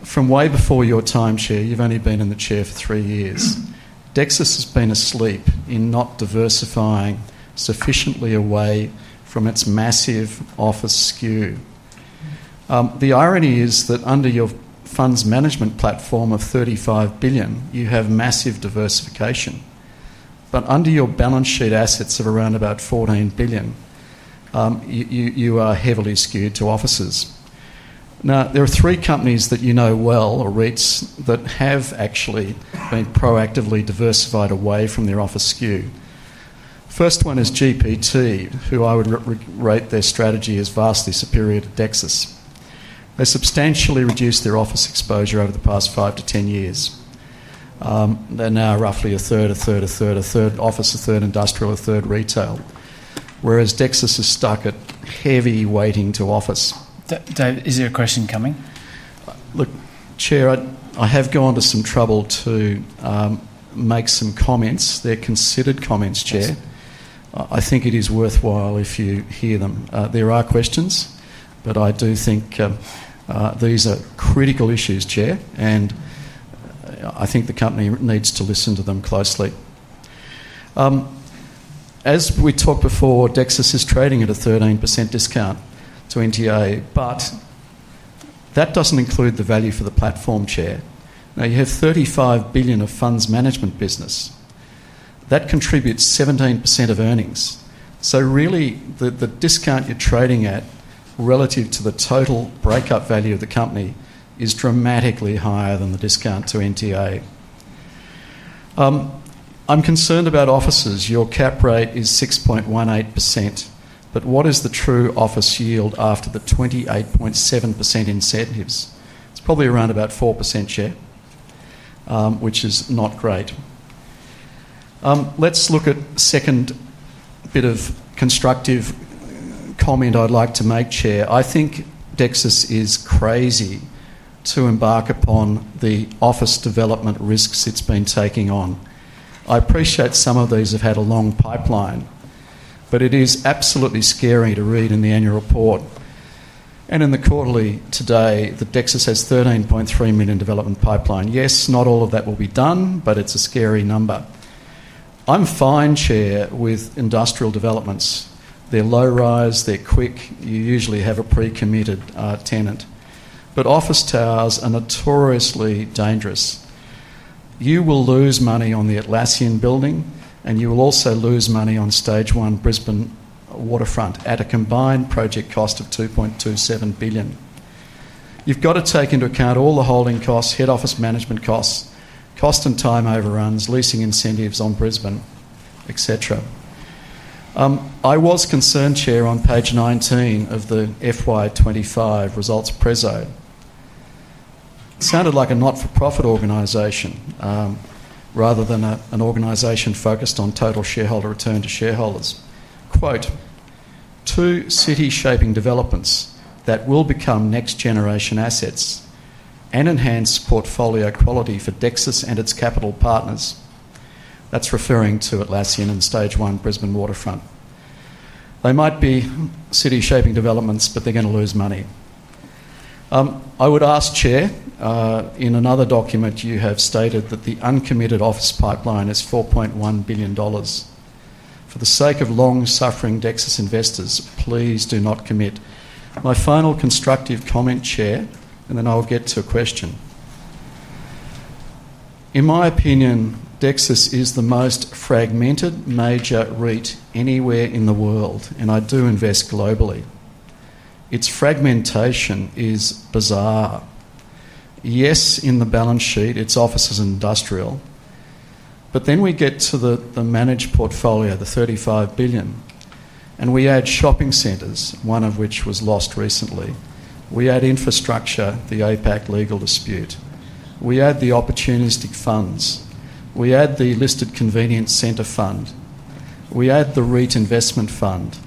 from way before your time, Chair, you've only been in the Chair for three years. Dexus Industria has been asleep in not diversifying sufficiently away from its massive office skew. The irony is that under your funds management platform of $35 billion, you have massive diversification, but under your balance sheet assets of around about $14 billion, you are heavily skewed to offices. Now, there are three companies that you know well, or real estate investment trusts, that have actually been proactively diversified away from their office skew. The first one is GPT, who I would rate their strategy as vastly superior to Dexus Industria. They substantially reduced their office exposure over the past 5 to 10 years. They're now roughly a third office, a third industrial, a third retail, whereas Dexus Industria is stuck at heavy weighting to office. David, is there a question coming? Look, Chair, I have gone to some trouble to make some comments. They're considered comments, Chair. I think it is worthwhile if you hear them. There are questions, but I do think these are critical issues, Chair, and I think the company needs to listen to them closely. As we talked before, Dexus is trading at a 13% discount to NTA, but that doesn't include the value for the platform, Chair. Now, you have $35 billion of funds management business. That contributes 17% of earnings. So really, the discount you're trading at relative to the total breakup value of the company is dramatically higher than the discount to NTA. I'm concerned about offices. Your cap rate is 6.18%, but what is the true office yield after the 28.7% incentives? It's probably around about 4%, Chair, which is not great. Let's look at the second bit of constructive comment I'd like to make, Chair. I think Dexus is crazy to embark upon the office development risks it's been taking on. I appreciate some of these have had a long pipeline, but it is absolutely scary to read in the annual report and in the quarterly today that Dexus has $13.3 million development pipeline. Yes, not all of that will be done, but it's a scary number. I'm fine, Chair, with industrial developments. They're low rise. They're quick. You usually have a pre-committed tenant, but office towers are notoriously dangerous. You will lose money on the Atlassian building, and you will also lose money on Stage 1, Brisbane Waterfront, at a combined project cost of $2.27 billion. You've got to take into account all the holding costs, head office management costs, cost and time overruns, leasing incentives on Brisbane, etc. I was concerned, Chair, on page 19 of the FY25 results Prezo. It sounded like a not-for-profit organization rather than an organization focused on total shareholder return to shareholders. Quote, "Two city shaping developments that will become next-generation assets and enhance portfolio quality for Dexus and its capital partners." That's referring to Atlassian and Stage 1, Brisbane Waterfront. They might be city shaping developments, but they're going to lose money. I would ask, Chair, in another document you have stated that the uncommitted office pipeline is $4.1 billion. For the sake of long-suffering Dexus investors, please do not commit. My final constructive comment, Chair, and then I'll get to a question. In my opinion, Dexus Industria REIT is the most fragmented major real estate investment trust anywhere in the world, and I do invest globally. Its fragmentation is bizarre. Yes, in the balance sheet, its office is industrial, but then we get to the managed portfolio, the $35 billion, and we add shopping centers, one of which was lost recently. We add infrastructure, the APAC legal dispute. We add the opportunistic funds. We add the listed convenience center fund. We add the REIT investment fund.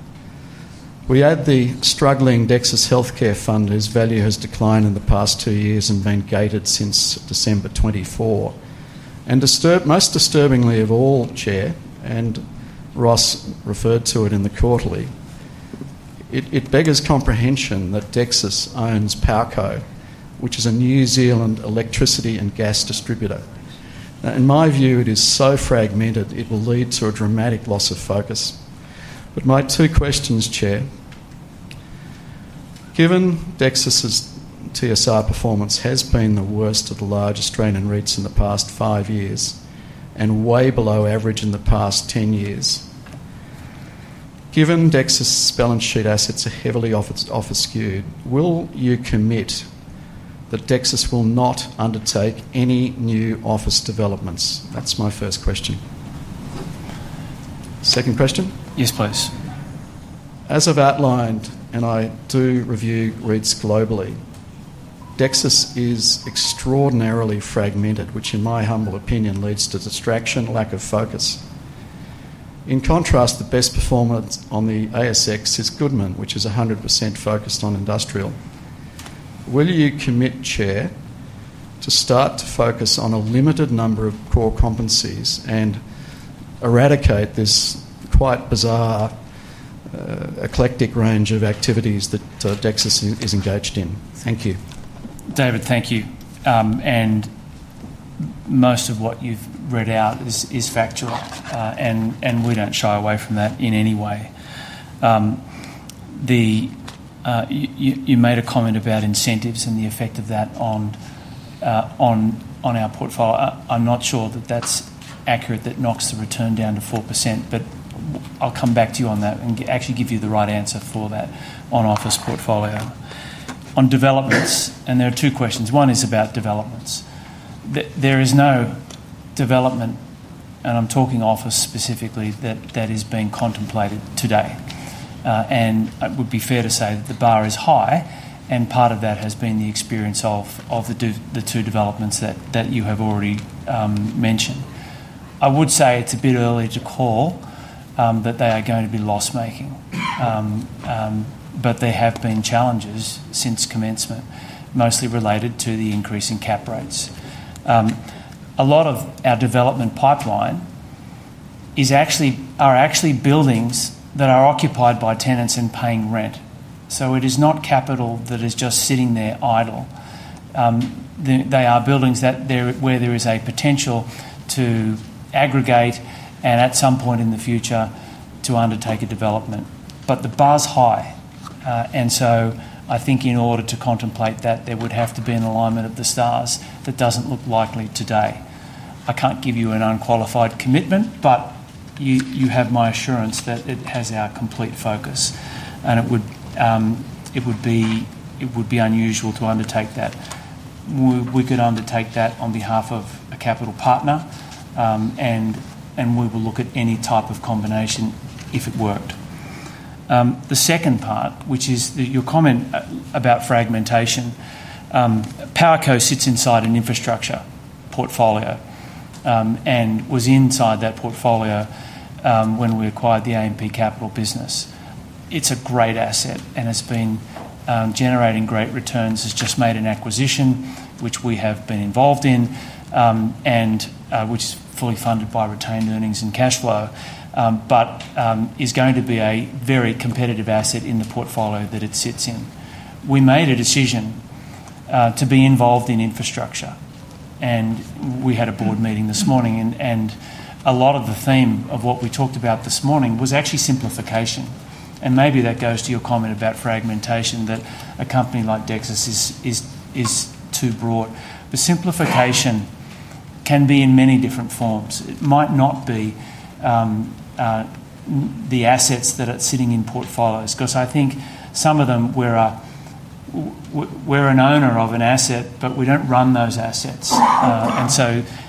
We add the struggling Dexus healthcare fund, whose value has declined in the past two years and been gated since December 2024. Most disturbingly of all, Chair, and Ross referred to it in the quarterly, it beggars comprehension that Dexus Industria REIT owns PowerCo, which is a New Zealand electricity and gas distributor. In my view, it is so fragmented it will lead to a dramatic loss of focus. My two questions, Chair, given Dexus Industria REIT's TSR performance has been the worst of the large Australian real estate investment trusts in the past five years and way below average in the past 10 years, given Dexus Industria REIT's balance sheet assets are heavily office skewed, will you commit that Dexus Industria REIT will not undertake any new office developments? That's my first question. Second question? Yes, please. As I've outlined, and I do review REITs globally, Dexus is extraordinarily fragmented, which in my humble opinion leads to distraction, lack of focus. In contrast, the best performer on the ASX is Goodman, which is 100% focused on industrial. Will you commit, Chair, to start to focus on a limited number of core competencies and eradicate this quite bizarre, eclectic range of activities that Dexus is engaged in? Thank you. David, thank you. Most of what you've read out is factual, and we don't shy away from that in any way. You made a comment about incentives and the effect of that on our portfolio. I'm not sure that that's accurate, that knocks the return down to 4%, but I'll come back to you on that and actually give you the right answer for that on office portfolio. On developments, and there are two questions. One is about developments. There is no development, and I'm talking office specifically, that is being contemplated today. It would be fair to say that the bar is high, and part of that has been the experience of the two developments that you have already mentioned. I would say it's a bit early to call that they are going to be loss-making, but there have been challenges since commencement, mostly related to the increase in cap rates. A lot of our development pipeline is actually buildings that are occupied by tenants and paying rent, so it is not capital that is just sitting there idle. They are buildings where there is a potential to aggregate and at some point in the future to undertake a development. The bar's high, and I think in order to contemplate that, there would have to be an alignment of the stars that doesn't look likely today. I can't give you an unqualified commitment, but you have my assurance that it has our complete focus, and it would be unusual to undertake that. We could undertake that on behalf of a capital partner, and we will look at any type of combination if it worked. The second part, which is your comment about fragmentation, PowerCo sits inside an infrastructure portfolio and was inside that portfolio when we acquired the A&P Capital business. It's a great asset and has been generating great returns. It's just made an acquisition, which we have been involved in, and which is fully funded by retained earnings and cash flow, but is going to be a very competitive asset in the portfolio that it sits in. We made a decision to be involved in infrastructure, and we had a board meeting this morning. A lot of the theme of what we talked about this morning was actually simplification. Maybe that goes to your comment about fragmentation, that a company like Dexus is too broad. Simplification can be in many different forms. It might not be the assets that are sitting in portfolios, because I think some of them where we're an owner of an asset, but we don't run those assets.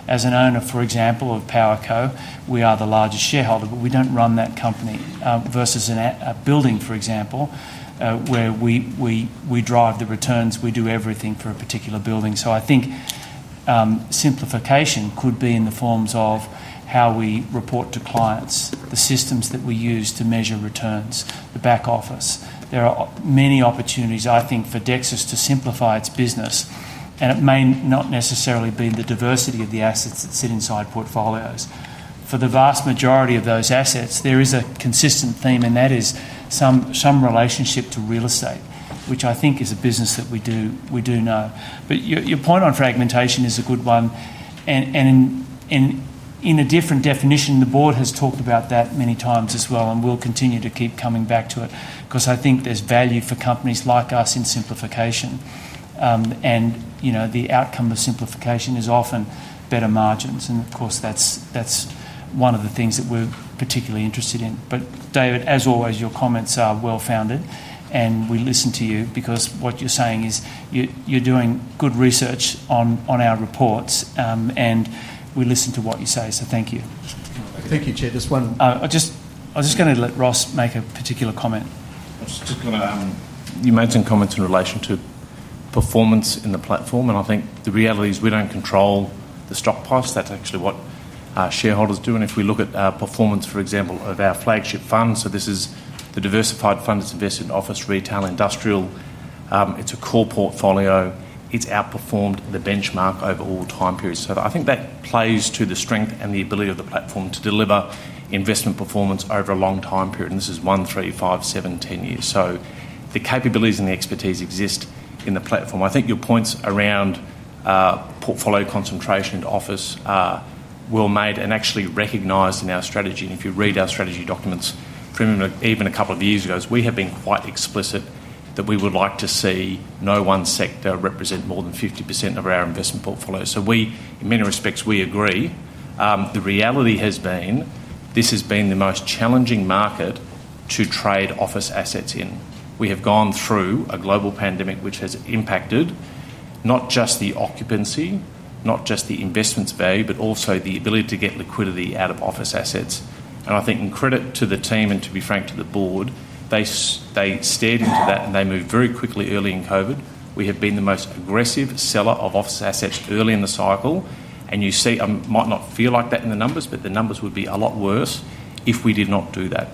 As an owner, for example, of PowerCo, we are the largest shareholder, but we don't run that company versus a building, for example, where we drive the returns. We do everything for a particular building. I think simplification could be in the forms of how we report to clients, the systems that we use to measure returns, the back office. There are many opportunities, I think, for Dexus to simplify its business, and it may not necessarily be the diversity of the assets that sit inside portfolios. For the vast majority of those assets, there is a consistent theme, and that is some relationship to real estate, which I think is a business that we do know. Your point on fragmentation is a good one, and in a different definition, the board has talked about that many times as well, and we'll continue to keep coming back to it, because I think there's value for companies like us in simplification. The outcome of simplification is often better margins, and of course, that's one of the things that we're particularly interested in. David, as always, your comments are well-founded, and we listen to you because what you're saying is you're doing good research on our reports, and we listen to what you say. Thank you. Thank you, Chair. Just one. I was just going to let Ross make a particular comment. I was just going to, you made some comments in relation to performance in the platform, and I think the reality is we don't control the stock price. That's actually what our shareholders do. If we look at our performance, for example, of our flagship fund, this is the diversified fund that's invested in office, retail, industrial, it's a core portfolio. It's outperformed the benchmark over all time periods. I think that plays to the strength and the ability of the platform to deliver investment performance over a long time period, and this is 1, 3, 5, 7, 10 years. The capabilities and the expertise exist in the platform. I think your points around portfolio concentration and office are well made and actually recognized in our strategy. If you read our strategy documents from even a couple of years ago, we have been quite explicit that we would like to see no one sector represent more than 50% of our investment portfolio. In many respects, we agree. The reality has been this has been the most challenging market to trade office assets in. We have gone through a global pandemic, which has impacted not just the occupancy, not just the investments value, but also the ability to get liquidity out of office assets. I think in credit to the team and to be frank to the board, they steered into that, and they moved very quickly early in COVID. We have been the most aggressive seller of office assets early in the cycle, and you see, it might not feel like that in the numbers, but the numbers would be a lot worse if we did not do that.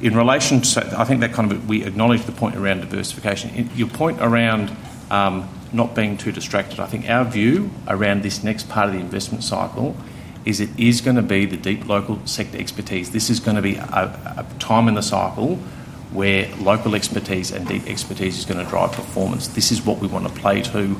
In relation to, I think that kind of, we acknowledge the point around diversification. Your point around not being too distracted, I think our view around this next part of the investment cycle is it is going to be the deep local sector expertise. This is going to be a time in the cycle where local expertise and deep expertise is going to drive performance. This is what we want to play to.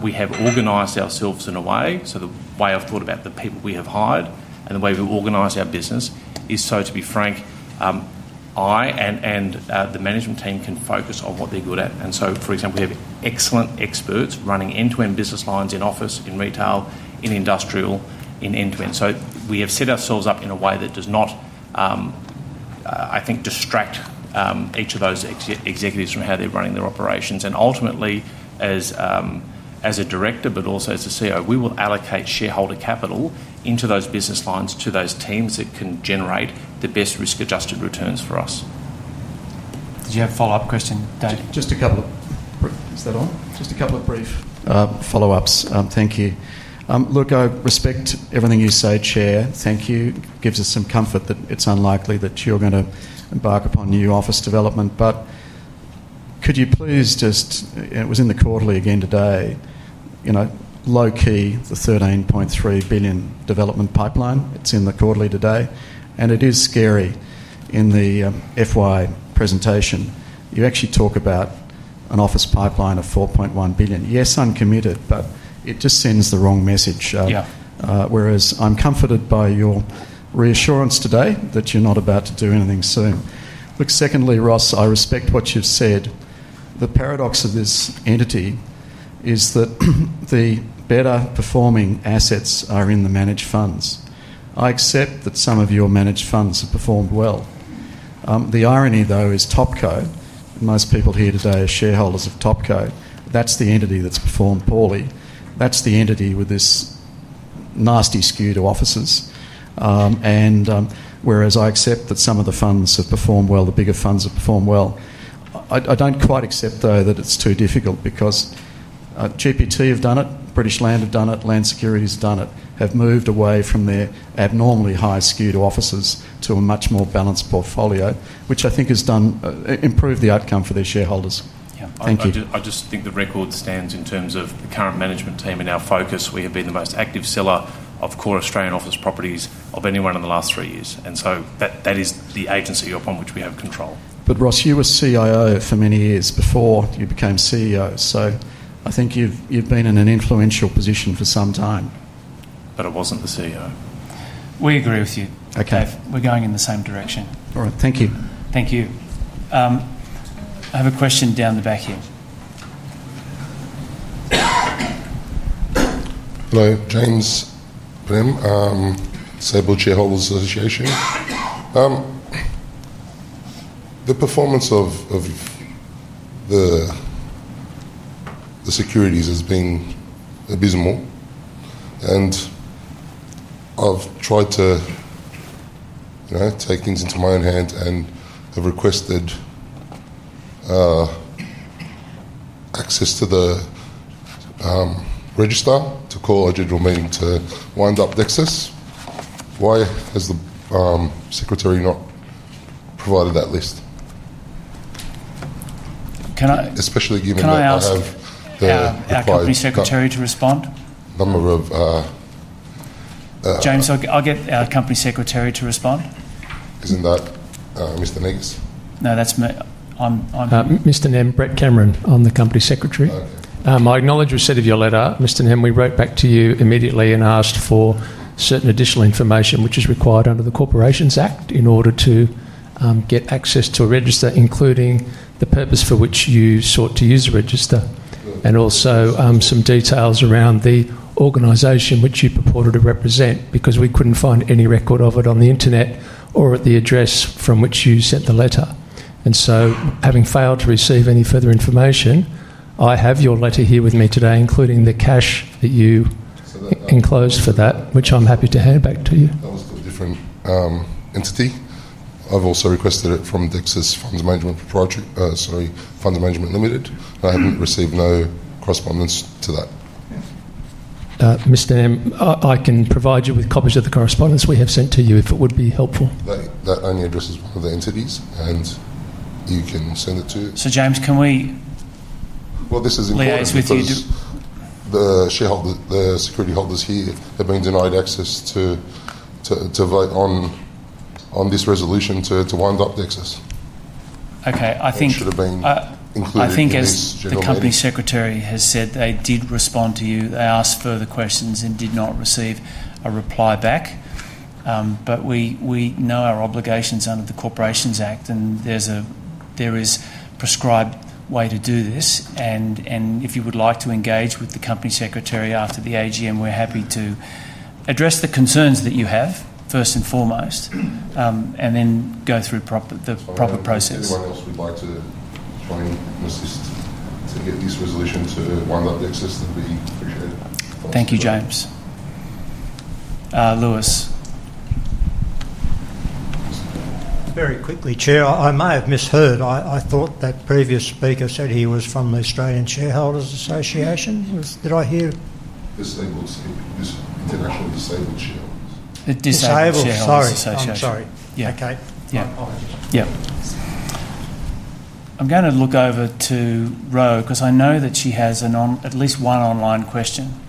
We have organized ourselves in a way. The way I've thought about the people we have hired and the way we've organized our business is so, to be frank, I and the management team can focus on what they're good at. For example, we have excellent experts running end-to-end business lines in office, in retail, in industrial, in end-to-end. We have set ourselves up in a way that does not, I think, distract each of those executives from how they're running their operations. Ultimately, as a director, but also as a CEO, we will allocate shareholder capital into those business lines to those teams that can generate the best risk-adjusted returns for us. Did you have a follow-up question, David? Just a couple of brief. Follow-ups. Thank you. Look, I respect everything you say, Chair. Thank you. It gives us some comfort that it's unlikely that you're going to embark upon new office development. Could you please just, it was in the quarterly again today, you know, low key, the $13.3 billion development pipeline. It's in the quarterly today, and it is scary. In the FY presentation, you actually talk about an office pipeline of $4.1 billion. Yes, I'm committed, but it just sends the wrong message. Yeah, whereas I'm comforted by your reassurance today that you're not about to do anything soon. Look, secondly, Ross, I respect what you've said. The paradox of this entity is that the better performing assets are in the managed funds. I accept that some of your managed funds have performed well. The irony, though, is Topco, and most people here today are shareholders of Topco. That's the entity that's performed poorly. That's the entity with this nasty skew to offices. Whereas I accept that some of the funds have performed well, the bigger funds have performed well, I don't quite accept, though, that it's too difficult because GPT have done it, British Land have done it, Land Security has done it, have moved away from their abnormally high skew to offices to a much more balanced portfolio, which I think has improved the outcome for their shareholders. Yeah. Thank you. I just think the record stands in terms of the current management team and our focus. We have been the most active seller of core Australian office properties of anyone in the last three years, and that is the agency upon which we have control. Ross, you were CIO for many years before you became CEO, so I think you've been in an influential position for some time. I wasn't the CEO. We agree with you. Okay. We're going in the same direction. All right. Thank you. Thank you. I have a question down the back here. Hello, James Brim, Australian Shareholders Association. The performance of the securities has been abysmal, and I've tried to take things into my own hands and have requested access to the register to call a general meeting to wind up Dexus. Why has the secretary not provided that list? Can I? Especially given that I have the. Do you have a Company Secretary to respond? Number of. James, I'll get our Company Secretary to respond. Isn't that Mr. Negus? No, that's Mr. Negus. Mr. Nem, Brett Cameron, I'm the Company Secretary. Okay. I acknowledge the receipt of your letter. Mr. Nem, we wrote back to you immediately and asked for certain additional information, which is required under the Corporations Act in order to get access to a register, including the purpose for which you sought to use the register and also some details around the organization which you purported to represent because we couldn't find any record of it on the internet or at the address from which you sent the letter. Having failed to receive any further information, I have your letter here with me today, including the cash that you enclosed for that, which I'm happy to hand back to you. That was a different entity. I've also requested it from Dexus Funds Management Limited. I haven't received no correspondence to that. Mr. Nem, I can provide you with copies of the correspondence we have sent to you if it would be helpful. That only addresses one of the entities, and you can send it to. James, can we? This is important. Yeah, it's with you. The shareholders, the security holders here have been denied access to vote on this resolution to wind up Dexus Industria REIT. Okay, I think. It should have been included in this general meeting. I think as the Company Secretary has said, they did respond to you. They asked further questions and did not receive a reply back. We know our obligations under the Corporations Act, and there is a prescribed way to do this. If you would like to engage with the Company Secretary after the AGM, we're happy to address the concerns that you have first and foremost, and then go through the proper process. If anyone else would like to join and assist to get this resolution to wind up Dexus Industria REIT, that would be appreciated. Thank you, James Lewis. Very quickly, Chair, I may have misheard. I thought that previous speaker said he was from the Australian Shareholders Association. Did I hear? Disabled, international disabled shareholders. Disabled, sorry. I'm sorry. Yeah. Okay. Yeah. Yeah. I'm going to look over to Rhoda because I know that she has at least one online question.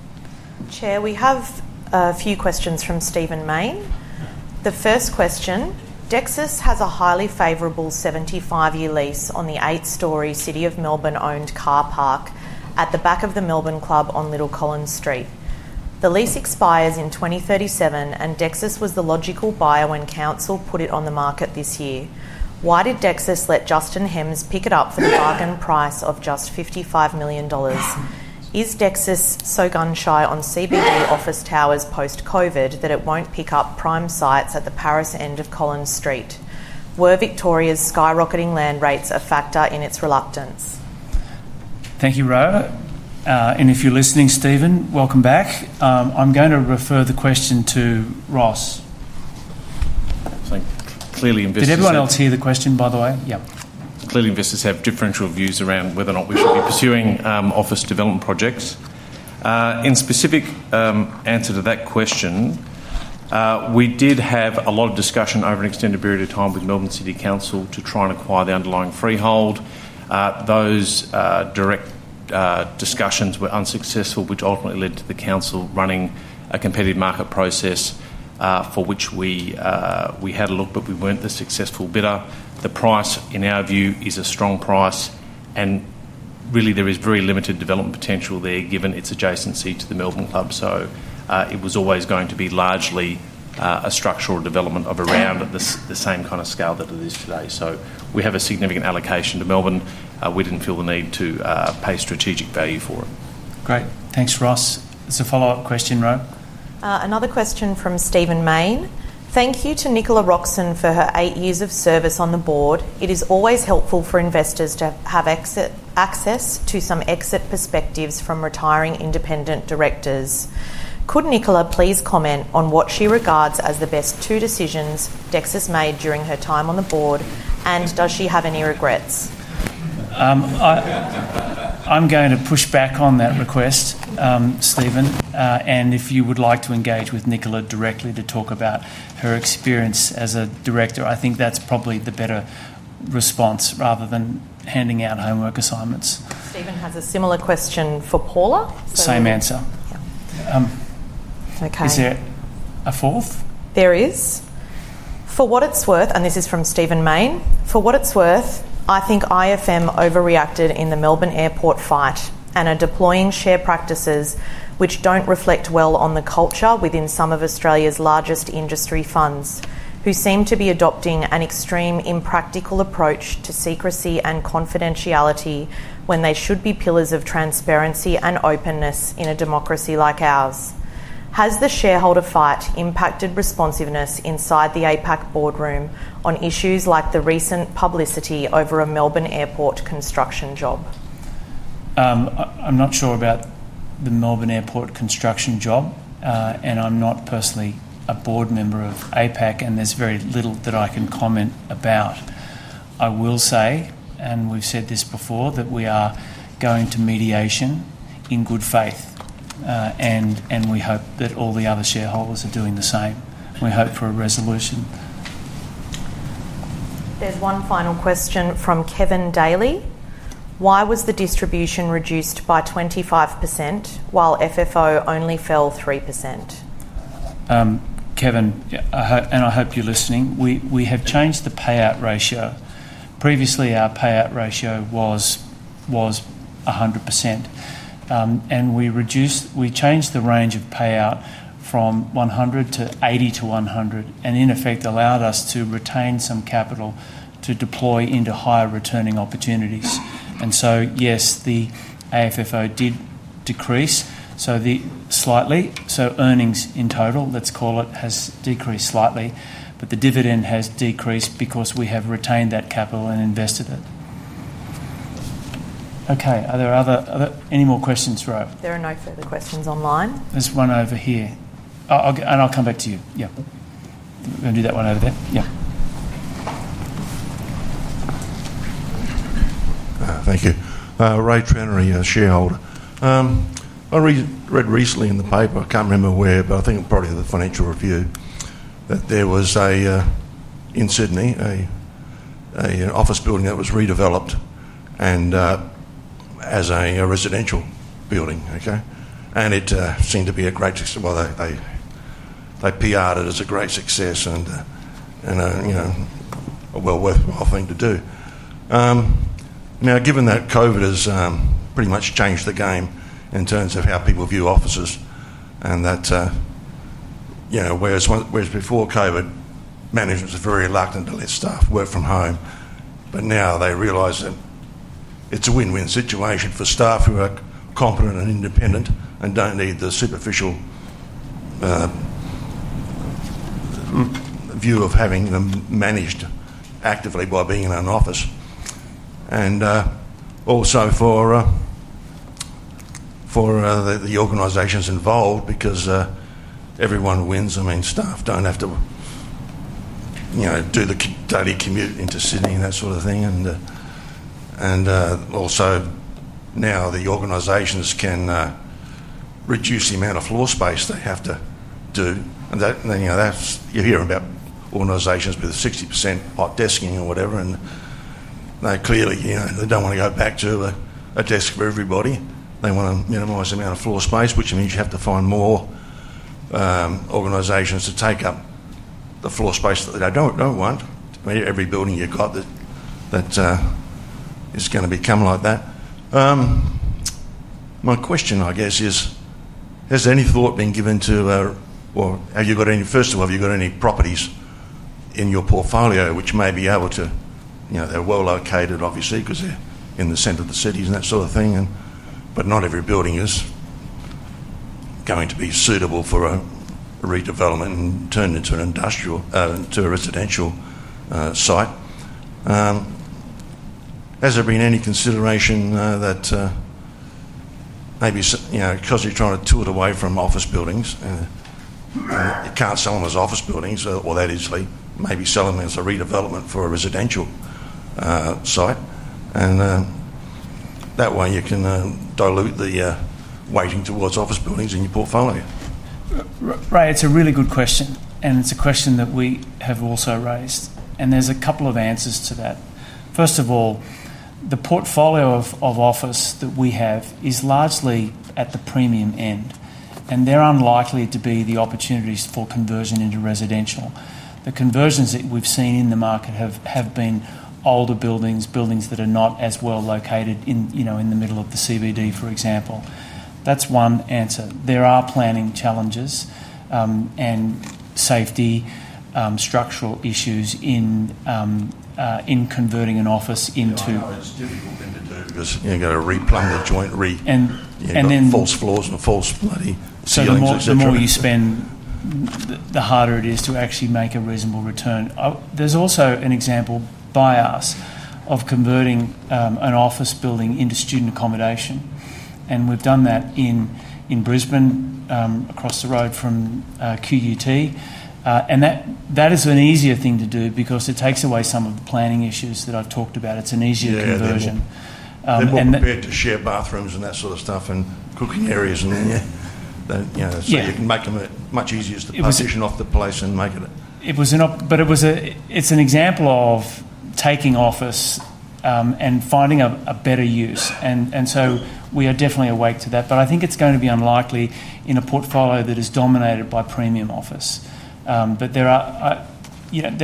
Chair, we have a few questions from Stephen Main. The first question, Dexus has a highly favorable 75-year lease on the eight-story City of Melbourne-owned car park at the back of the Melbourne Club on Little Collins Street. The lease expires in 2037, and Dexus was the logical buyer when council put it on the market this year. Why did Dexus let Justin Hems pick it up for the bargain price of just $55 million? Is Dexus so gun-shy on CBD office towers post-COVID that it won't pick up prime sites at the Paris end of Collins Street? Were Victoria's skyrocketing land rates a factor in its reluctance? Thank you, Rhoda. If you're listening, Stephen, welcome back. I'm going to refer the question to Ross. I think clearly, investors. Did everyone else hear the question, by the way? Yeah. Clearly, investors have differential views around whether or not we should be pursuing office development projects. In specific answer to that question, we did have a lot of discussion over an extended period of time with Melbourne City Council to try and acquire the underlying freehold. Those direct discussions were unsuccessful, which ultimately led to the council running a competitive market process. We had a look, but we weren't the successful bidder. The price, in our view, is a strong price, and really, there is very limited development potential there given its adjacency to the Melbourne Club. It was always going to be largely a structural development of around the same kind of scale that it is today. We have a significant allocation to Melbourne. We didn't feel the need to pay strategic value for it. Great. Thanks, Ross. There's a follow-up question, Roe. Another question from Stephen Main. Thank you to Nicola Roxon for her eight years of service on the board. It is always helpful for investors to have access to some exit perspectives from retiring independent directors. Could Nicola please comment on what she regards as the best two decisions Dexus made during her time on the board? Does she have any regrets? I'm going to push back on that request, Steven. If you would like to engage with Nicola directly to talk about her experience as a director, I think that's probably the better response rather than handing out homework assignments. Steven has a similar question for Paula Dwyer. Same answer. Yeah. Is there a fourth? There is. For what it's worth, and this is from Steven Main, for what it's worth, I think IFM overreacted in the Melbourne airport fight and are deploying share practices which don't reflect well on the culture within some of Australia's largest industry funds, who seem to be adopting an extremely impractical approach to secrecy and confidentiality when they should be pillars of transparency and openness in a democracy like ours. Has the shareholder fight impacted responsiveness inside the APAC boardroom on issues like the recent publicity over a Melbourne airport construction job? I'm not sure about the Melbourne airport construction job, and I'm not personally a Board member of APAC, and there's very little that I can comment about. I will say, and we've said this before, that we are going to mediation in good faith, and we hope that all the other shareholders are doing the same. We hope for a resolution. There's one final question from Kevin Daly. Why was the distribution reduced by 25% while FFO only fell 3%? Kevin, and I hope you're listening, we have changed the payout ratio. Previously, our payout ratio was 100%. We changed the range of payout from 100% to 80% to 100%, and in effect, allowed us to retain some capital to deploy into higher returning opportunities. Yes, the FFO did decrease slightly, so earnings in total, let's call it, has decreased slightly, but the dividend has decreased because we have retained that capital and invested it. Okay, are there any more questions? There are no further questions online. There's one over here, and I'll come back to you. We're going to do that one over there. Thank you. Ray Trannery, a shareholder. I read recently in the paper, I can't remember where, but I think probably the Financial Review, that there was in Sydney an office building that was redeveloped as a residential building, okay? It seemed to be a great success. They PR'd it as a great success and a well worthwhile thing to do. Now, given that COVID has pretty much changed the game in terms of how people view offices and that, you know, whereas before COVID, managers were very reluctant to let staff work from home, now they realize that it's a win-win situation for staff who are competent and independent and don't need the superficial view of having them managed actively by being in an office. Also for the organizations involved because everyone wins. I mean, staff don't have to do the daily commute into Sydney and that sort of thing. Also now the organizations can reduce the amount of floor space they have to do. You hear about organizations with 60% hot desking or whatever, and they clearly, you know, they don't want to go back to a desk for everybody. They want to minimize the amount of floor space, which means you have to find more organizations to take up the floor space that they don't want. I mean, every building you've got that is going to become like that. My question, I guess, is has any thought been given to, have you got any, first of all, have you got any properties in your portfolio which may be able to, you know, they're well located obviously because they're in the center of the cities and that sort of thing, but not every building is going to be suitable for a redevelopment and turned into an industrial, to a residential site. Has there been any consideration that maybe because you're trying to tilt away from office buildings and you can't sell them as office buildings or that easily, maybe sell them as a redevelopment for a residential site and that way you can dilute the weighting towards office buildings in your portfolio? Ray, it's a really good question and it's a question that we have also raised. There's a couple of answers to that. First of all, the portfolio of office that we have is largely at the premium end, and there are unlikely to be the opportunities for conversion into residential. The conversions that we've seen in the market have been older buildings, buildings that are not as well located in the middle of the CBD, for example. That's one answer. There are planning challenges and safety, structural issues in converting an office into. It's a difficult thing to do because you've got to replant a joint reef, and then false floors and false bloody ceilings. The more you spend, the harder it is to actually make a reasonable return. There's also an example by us of converting an office building into student accommodation, and we've done that in Brisbane across the road from QUT. That is an easier thing to do because it takes away some of the planning issues that I've talked about. It's an easier conversion. They've prepared to share bathrooms and that sort of stuff and cooking areas, and then you can make them much easier to partition off the place and make it. It's an example of taking office and finding a better use, and we are definitely awake to that. I think it's going to be unlikely in a portfolio that is dominated by premium office. There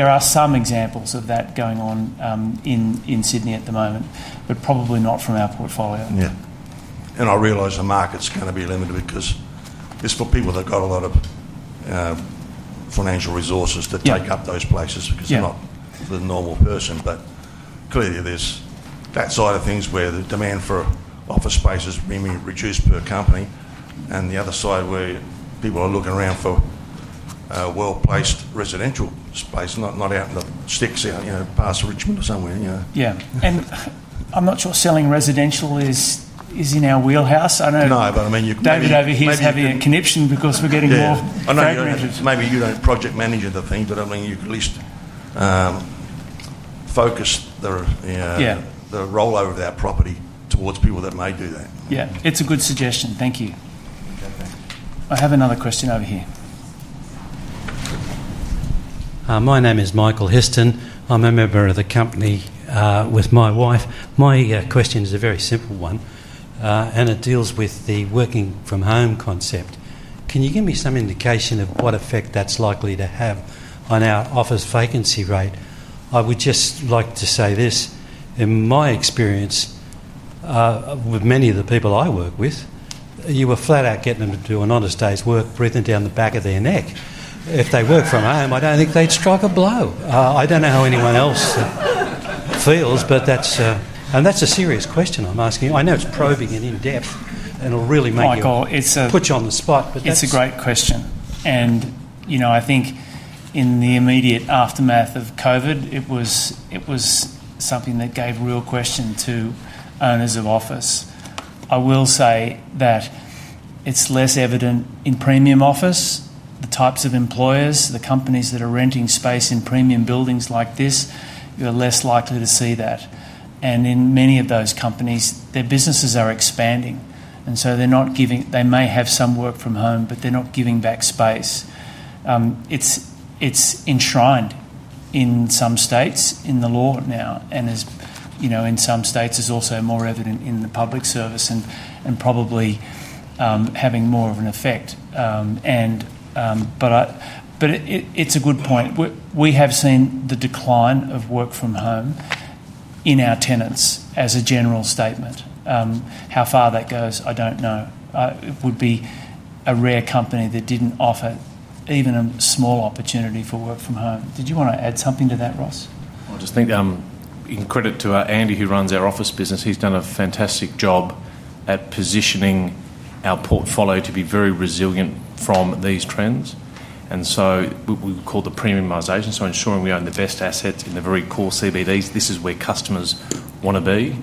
are some examples of that going on in Sydney at the moment, but probably not from our portfolio. I realize the market's going to be limited because it's for people that have got a lot of financial resources to take up those places because they're not the normal person, but clearly there's that side of things where the demand for office space is really reduced per company, and the other side where people are looking around for well-placed residential space, not out in the sticks out past Richmond or somewhere. I'm not sure selling residential is in our wheelhouse. I know. No, I mean you could. David over here is having a conniption because we're getting more. I know you don't have to, maybe you don't project manage the thing, but I mean you could at least focus the rollover of our property towards people that may do that. Yeah, it's a good suggestion. Thank you. Okay. I have another question over here. My name is Michael Heston. I'm a member of the company with my wife. My question is a very simple one and it deals with the working from home concept. Can you give me some indication of what effect that's likely to have on our office vacancy rate? I would just like to say this. In my experience, with many of the people I work with, you were flat out getting them to do an honest day's work breathing down the back of their neck. If they work from home, I don't think they'd strike a blow. I don't know how anyone else feels, but that's a serious question I'm asking. I know it's probing and in-depth and it'll really make you put you on the spot, but that's it. It's a great question and you know I think in the immediate aftermath of COVID, it was something that gave real question to owners of office. I will say that it's less evident in premium office. The types of employers, the companies that are renting space in premium buildings like this, you're less likely to see that. In many of those companies, their businesses are expanding and so they're not giving, they may have some work from home but they're not giving back space. It's enshrined in some states in the law now and in some states is also more evident in the public service and probably having more of an effect. It's a good point. We have seen the decline of work from home in our tenants as a general statement. How far that goes, I don't know. It would be a rare company that didn't offer even a small opportunity for work from home. Did you want to add something to that, Ross? I just think in credit to Andy Collins, who runs our office business, he's done a fantastic job at positioning our portfolio to be very resilient from these trends. We call it the premiumization, ensuring we own the best assets in the very core CBDs. This is where customers want to be,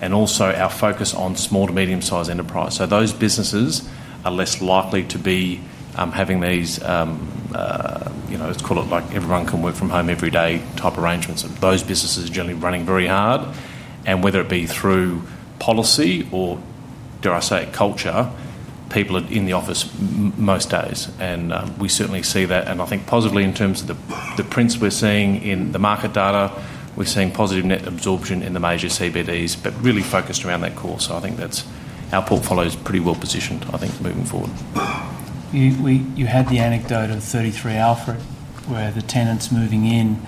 and also our focus on small to medium size enterprise. Those businesses are less likely to be having these, let's call it like everyone can work from home every day type arrangements. Those businesses are generally running very hard, and whether it be through policy or, dare I say, culture, people are in the office most days. We certainly see that, and I think positively in terms of the prints we're seeing in the market data, we're seeing positive net absorption in the major CBDs, but really focused around that core. I think our portfolio is pretty well positioned, I think, moving forward. You had the anecdote of 33 Alfred where the tenants moving in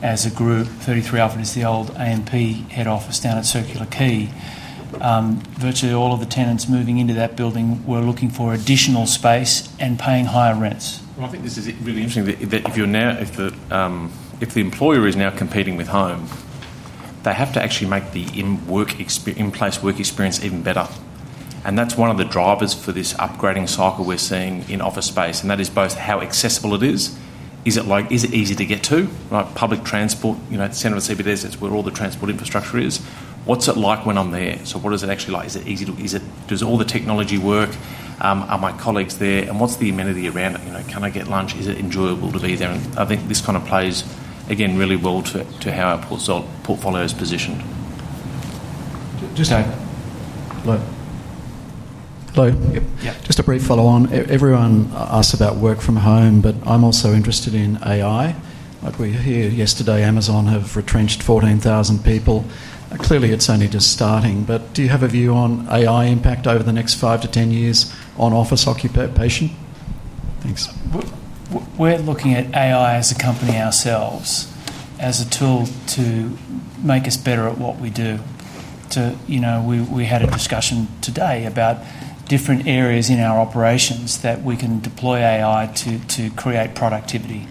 as a group. 33 Alfred is the old AMP head office down at Circular Quay. Virtually all of the tenants moving into that building were looking for additional space and paying higher rents. I think this is really interesting that if the employer is now competing with home, they have to actually make the in-place work experience even better. That's one of the drivers for this upgrading cycle we're seeing in office space, and that is both how accessible it is. Is it easy to get to? Public transport, you know, at the center of CBDs, it's where all the transport infrastructure is. What's it like when I'm there? What is it actually like? Is it easy to, does all the technology work? Are my colleagues there and what's the amenity around it? You know, can I get lunch? Is it enjoyable to be there? I think this kind of plays, again, really well to how our portfolio is positioned. Just a brief follow-on. Everyone asks about work from home, but I'm also interested in AI. Like we hear yesterday, Amazon have retrenched 14,000 people. Clearly, it's only just starting, but do you have a view on AI impact over the next 5 to 10 years on office occupation? Thanks. We're looking at AI as a company ourselves as a tool to make us better at what we do. We had a discussion today about different areas in our operations that we can deploy AI to create productivity.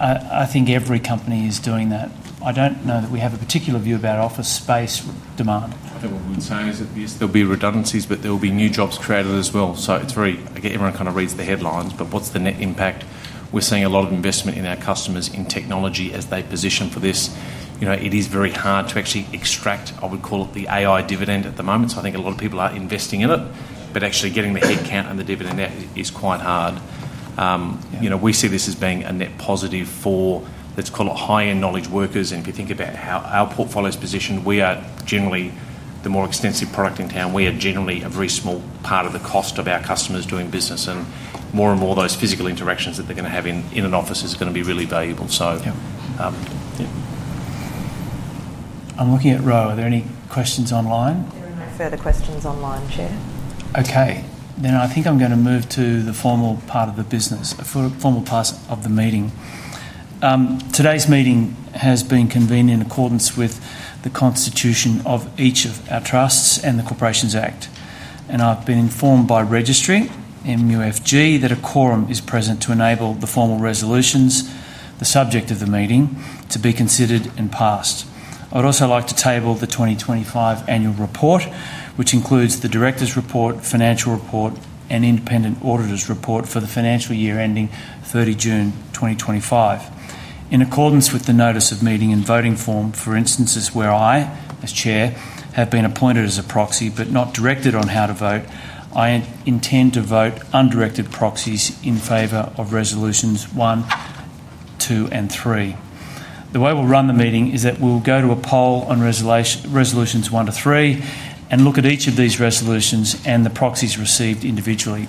I think every company is doing that. I don't know that we have a particular view about office space demand. I think what we would say is that there'll be redundancies, but there'll be new jobs created as well. It is very, I get everyone kind of reads the headlines, but what's the net impact? We're seeing a lot of investment in our customers in technology as they position for this. It is very hard to actually extract, I would call it the AI dividend at the moment. I think a lot of people are investing in it, but actually getting the headcount and the dividend out is quite hard. We see this as being a net positive for, let's call it, higher knowledge workers. If you think about how our portfolio is positioned, we are generally the more extensive product in town. We are generally a very small part of the cost of our customers doing business, and more and more of those physical interactions that they're going to have in an office is going to be really valuable. I'm looking at Rhoda, are there any questions online? There are no further questions online, Chair. Okay, then I think I'm going to move to the formal part of the business, the formal part of the meeting. Today's meeting has been convened in accordance with the constitution of each of our trusts and the Corporations Act. I've been informed by Registry, MUFG, that a quorum is present to enable the formal resolutions, the subject of the meeting, to be considered and passed. I'd also like to table the 2025 annual report, which includes the Director's Report, Financial Report, and Independent Auditor's Report for the financial year ending 30 June 2025. In accordance with the notice of meeting and voting form, for instances where I, as Chair, have been appointed as a proxy but not directed on how to vote, I intend to vote undirected proxies in favor of Resolutions 1, 2, and 3. The way we'll run the meeting is that we'll go to a poll on Resolutions 1 to 3 and look at each of these resolutions and the proxies received individually,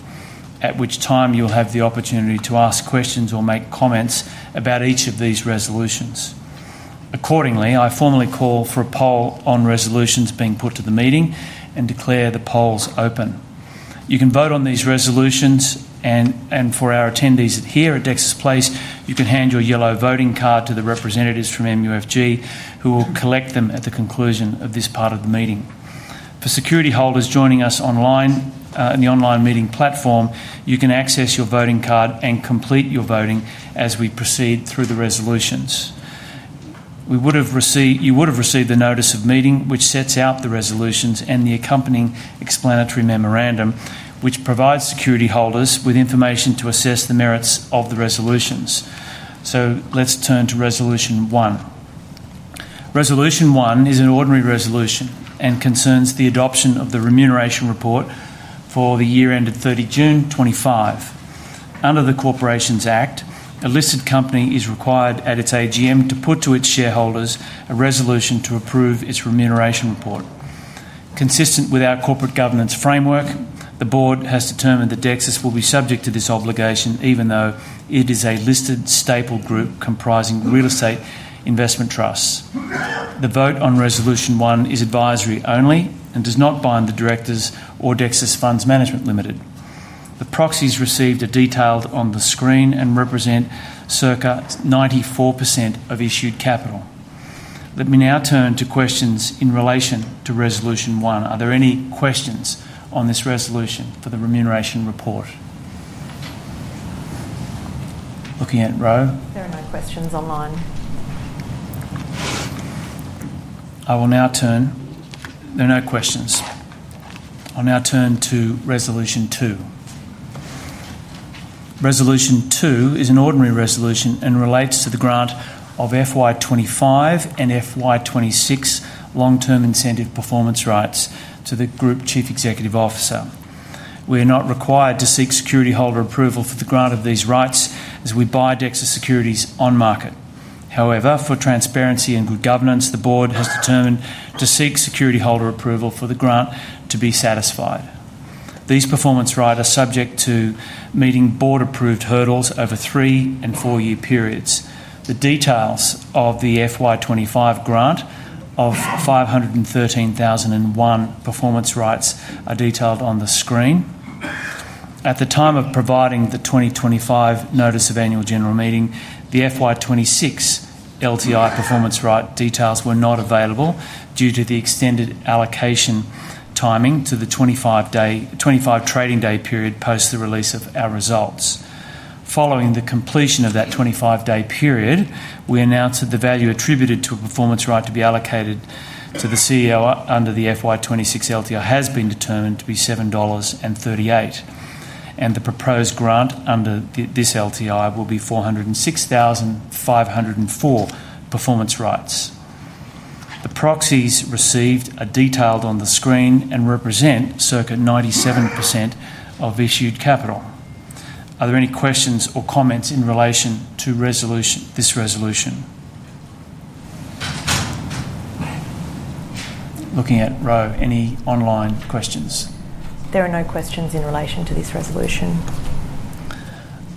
at which time you'll have the opportunity to ask questions or make comments about each of these resolutions. Accordingly, I formally call for a poll on resolutions being put to the meeting and declare the polls open. You can vote on these resolutions and for our attendees here at Dexus Place, you can hand your yellow voting card to the representatives from MUFG, who will collect them at the conclusion of this part of the meeting. For security holders joining us online in the online meeting platform, you can access your voting card and complete your voting as we proceed through the resolutions. You would have received the notice of meeting, which sets out the resolutions and the accompanying explanatory memorandum, which provides security holders with information to assess the merits of the resolutions. Let's turn to Resolution 1. Resolution 1 is an ordinary resolution and concerns the adoption of the remuneration report for the year ended 30 June 2025. Under the Corporations Act, a listed company is required at its AGM to put to its shareholders a resolution to approve its remuneration report. Consistent with our corporate governance framework, the board has determined that Dexus will be subject to this obligation even though it is a listed staple group comprising real estate investment trusts. The vote on Resolution 1 is advisory only and does not bind the directors or Dexus Funds Management Limited. The proxies received are detailed on the screen and represent circa 94% of issued capital. Let me now turn to questions in relation to Resolution 1. Are there any questions on this resolution for the remuneration report? Looking at Roe. There are no questions online. There are no questions. I'll now turn to Resolution 2. Resolution 2 is an ordinary resolution and relates to the grant of FY25 and FY26 long-term incentive performance rights to the Group Chief Executive Officer. We are not required to seek security holder approval for the grant of these rights as we buy Dexus Securities on market. However, for transparency and good governance, the Board has determined to seek security holder approval for the grant to be satisfied. These performance rights are subject to meeting Board-approved hurdles over three and four-year periods. The details of the FY25 grant of 513,001 performance rights are detailed on the screen. At the time of providing the 2025 notice of annual general meeting, the FY26 LTI performance right details were not available due to the extended allocation timing to the 25 trading day period post the release of our results. Following the completion of that 25-day period, we announced that the value attributed to a performance right to be allocated to the CEO under the FY26 LTI has been determined to be $7.38. The proposed grant under this LTI will be 406,504 performance rights. The proxies received are detailed on the screen and represent circa 97% of issued capital. Are there any questions or comments in relation to this resolution? Looking at Roe, any online questions? There are no questions in relation to this resolution.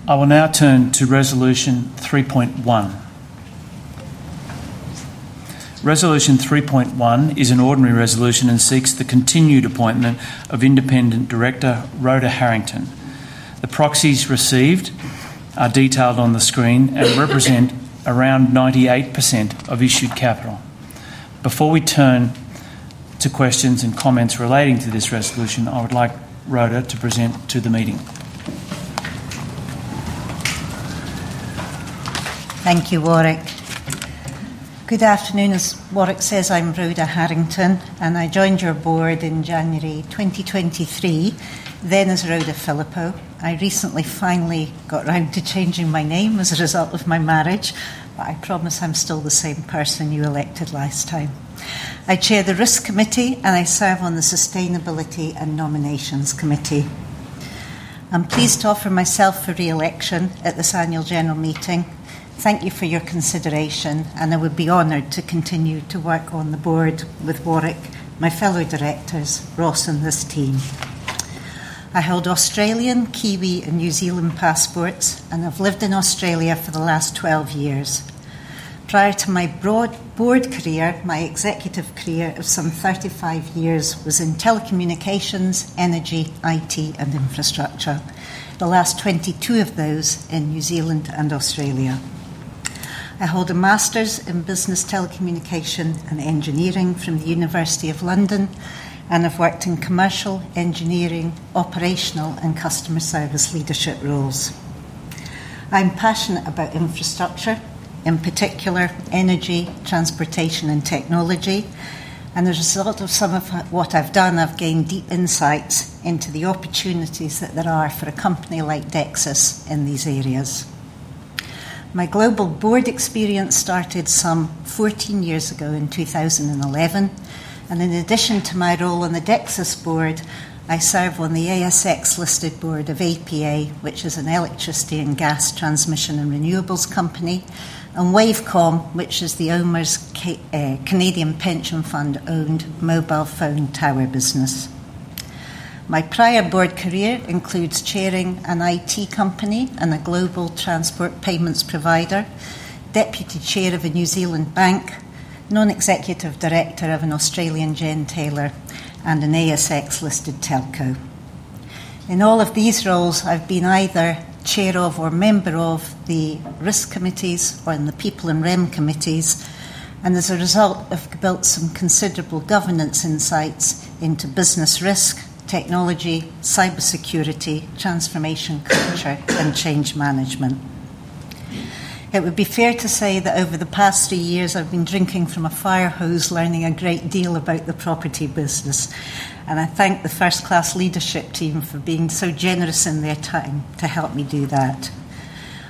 I will now turn to Resolution 3.1. Resolution 3.1 is an ordinary resolution and seeks the continued appointment of Independent Director Rhoda Harrington. The proxies received are detailed on the screen and represent around 98% of issued capital. Before we turn to questions and comments relating to this resolution, I would like Rhoda to present to the meeting. Thank you, Warwick. Good afternoon, as Warwick says, I'm Rhoda Harrington and I joined your board in January 2023, then as Rhoda Phillippo. I recently finally got round to changing my name as a result of my marriage, but I promise I'm still the same person you elected last time. I chair the Risk Committee and I serve on the Sustainability and Nominations Committee. I'm pleased to offer myself for reelection at this annual general meeting. Thank you for your consideration and I would be honored to continue to work on the board with Warwick, my fellow directors, Ross, and this team. I hold Australian, Kiwi, and New Zealand passports and have lived in Australia for the last 12 years. Prior to my broad board career, my executive career of some 35 years was in telecommunications, energy, IT, and infrastructure, the last 22 of those in New Zealand and Australia. I hold a master's in business telecommunication and engineering from the University of London and have worked in commercial engineering, operational, and customer service leadership roles. I'm passionate about infrastructure, in particular energy, transportation, and technology, and as a result of some of what I've done, I've gained deep insights into the opportunities that there are for a company like Dexus in these areas. My global board experience started some 14 years ago in 2011, and in addition to my role on the Dexus board, I serve on the ASX listed board of APA, which is an electricity and gas transmission and renewables company, and Wavecom, which is the owners of Canadian Pension Fund-owned mobile phone tower business. My prior board career includes chairing an IT company and a global transport payments provider, deputy chair of a New Zealand bank, non-executive director of an Australian Gentailer, and an ASX listed telco. In all of these roles, I've been either chair of or member of the risk committees or in the people and rem committees, and as a result, I've built some considerable governance insights into business risk, technology, cybersecurity, transformation culture, and change management. It would be fair to say that over the past two years, I've been drinking from a fire hose, learning a great deal about the property business, and I thank the first-class leadership team for being so generous in their time to help me do that.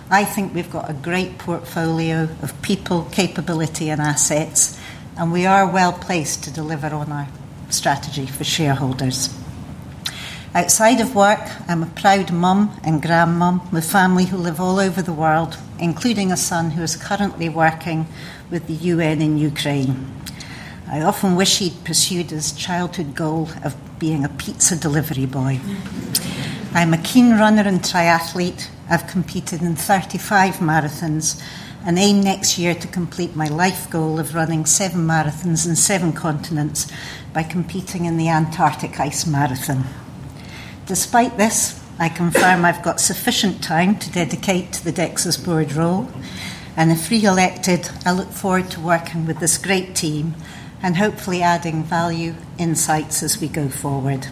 I think we've got a great portfolio of people, capability, and assets, and we are well placed to deliver on our strategy for shareholders. Outside of work, I'm a proud mom and grandmom with family who live all over the world, including a son who is currently working with the UN in Ukraine. I often wish he'd pursued his childhood goal of being a pizza delivery boy. I'm a keen runner and triathlete. I've competed in 35 marathons and aim next year to complete my life goal of running seven marathons in seven continents by competing in the Antarctic Ice Marathon. Despite this, I confirm I've got sufficient time to dedicate to the Dexus board role, and if reelected, I look forward to working with this great team and hopefully adding value insights as we go forward.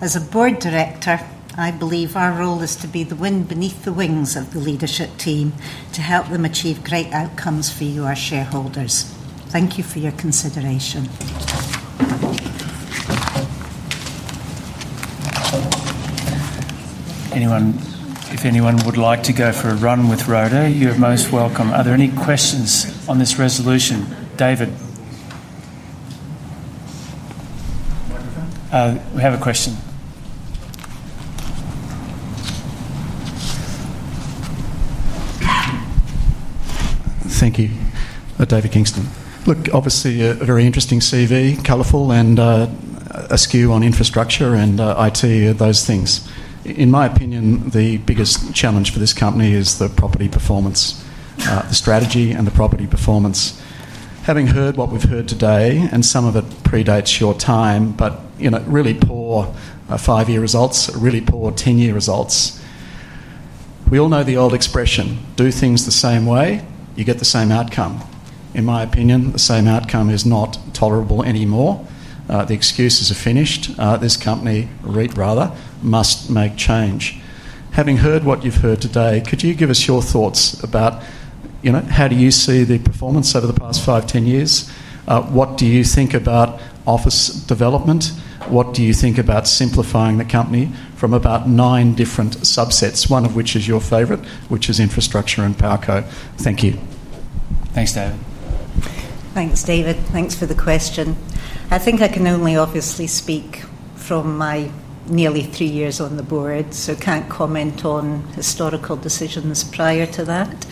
As a Board Director, I believe our role is to be the wind beneath the wings of the leadership team to help them achieve great outcomes for you, our shareholders. Thank you for your consideration. If anyone would like to go for a run with Rhoda, you're most welcome. Are there any questions on this resolution? David, we have a question. Thank you. David Kingston. Obviously a very interesting CV, colorful, and a skew on infrastructure and IT, those things. In my opinion, the biggest challenge for this company is the property performance, the strategy, and the property performance. Having heard what we've heard today, and some of it predates your time, but really poor five-year results, really poor 10-year results. We all know the old expression, do things the same way, you get the same outcome. In my opinion, the same outcome is not tolerable anymore. The excuses are finished. This company, REIT rather, must make change. Having heard what you've heard today, could you give us your thoughts about how do you see the performance over the past five, ten years? What do you think about office development? What do you think about simplifying the company from about nine different subsets, one of which is your favorite, which is infrastructure and PowerCo? Thank you. Thanks, David. Thanks, David. Thanks for the question. I think I can only obviously speak from my nearly three years on the board, so can't comment on historical decisions prior to that.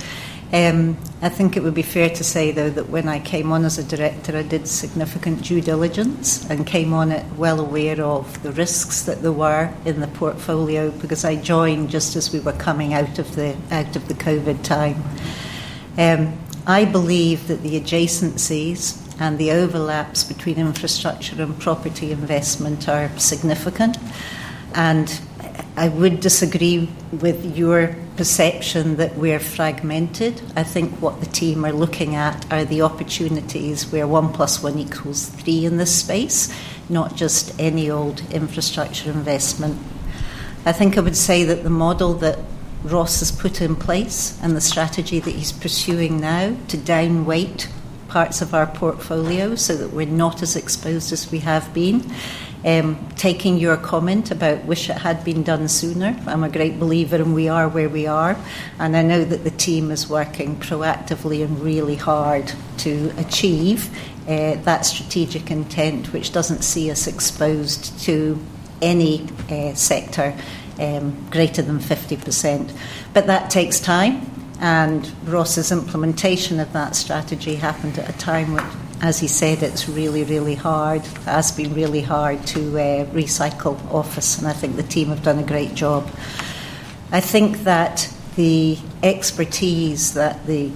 I think it would be fair to say, though, that when I came on as a director, I did significant due diligence and came on it well aware of the risks that there were in the portfolio because I joined just as we were coming out of the COVID time. I believe that the adjacencies and the overlaps between infrastructure and property investment are significant, and I would disagree with your perception that we're fragmented. I think what the team are looking at are the opportunities where one plus one equals three in this space, not just any old infrastructure investment. I think I would say that the model that Ross has put in place and the strategy that he's pursuing now to downweight parts of our portfolio so that we're not as exposed as we have been. Taking your comment about wish it had been done sooner, I'm a great believer and we are where we are, and I know that the team is working proactively and really hard to achieve that strategic intent, which doesn't see us exposed to any sector greater than 50%. That takes time, and Ross's implementation of that strategy happened at a time when, as he said, it's really, really hard, has been really hard to recycle office, and I think the team have done a great job. I think that the expertise that the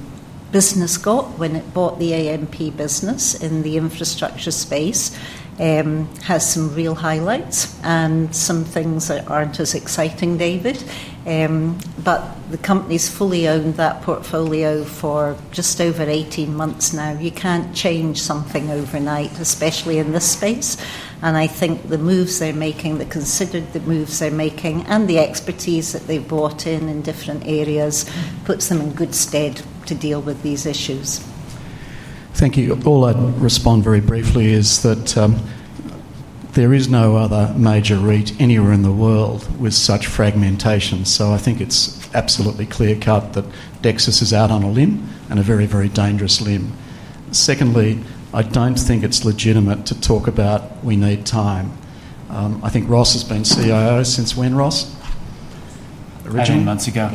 business got when it bought the AMP business in the infrastructure space has some real highlights and some things that aren't as exciting, David. The company's fully owned that portfolio for just over 18 months now. You can't change something overnight, especially in this space, and I think the moves they're making, the considered moves they're making, and the expertise that they've brought in in different areas puts them in good stead to deal with these issues. Thank you. All I'd respond very briefly is that there is no other major real estate investment trust anywhere in the world with such fragmentation, so I think it's absolutely clear-cut that Dexus is out on a limb and a very, very dangerous limb. Secondly, I don't think it's legitimate to talk about we need time. I think Ross has been CIO since when, Ross? 18 months ago.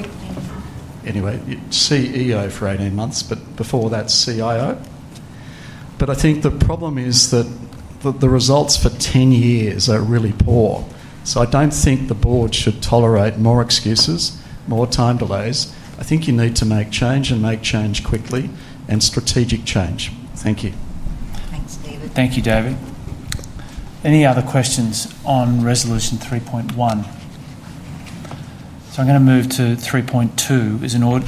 Anyway, CEO for 18 months, but before that, CIO. I think the problem is that the results for 10 years are really poor. I don't think the board should tolerate more excuses, more time delays. I think you need to make change and make change quickly and strategic change. Thank you. Thanks, David. Thank you, David. Any other questions on Resolution 3.1? I am going to move to 3.2.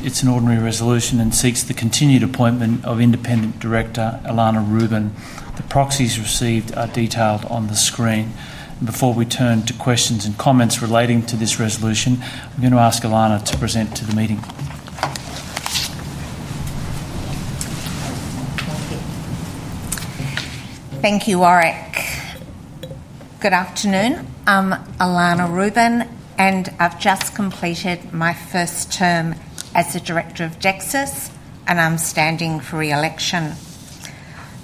It's an ordinary resolution and seeks the continued appointment of independent director Alana Rubin. The proxies received are detailed on the screen. Before we turn to questions and comments relating to this resolution, I'm going to ask Alana to present to the meeting. Thank you, Warwick. Good afternoon. I'm Alana Rubin, and I've just completed my first term as the Director of Dexus Industria REIT, and I'm standing for reelection.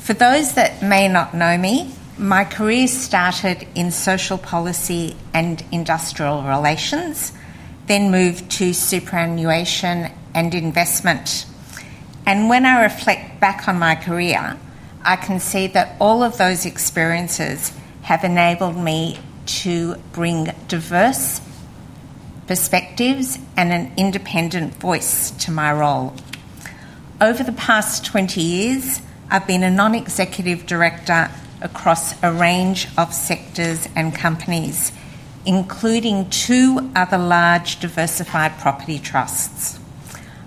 For those that may not know me, my career started in social policy and industrial relations, then moved to superannuation and investment. When I reflect back on my career, I can see that all of those experiences have enabled me to bring diverse perspectives and an independent voice to my role. Over the past 20 years, I've been a non-executive director across a range of sectors and companies, including two other large diversified property trusts.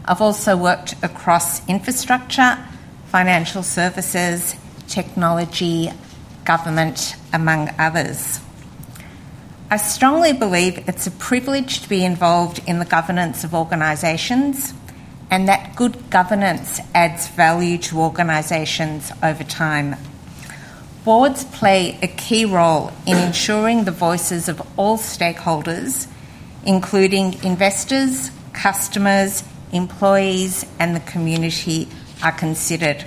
I've also worked across infrastructure, financial services, technology, government, among others. I strongly believe it's a privilege to be involved in the governance of organizations, and that good governance adds value to organizations over time. Boards play a key role in ensuring the voices of all stakeholders, including investors, customers, employees, and the community, are considered.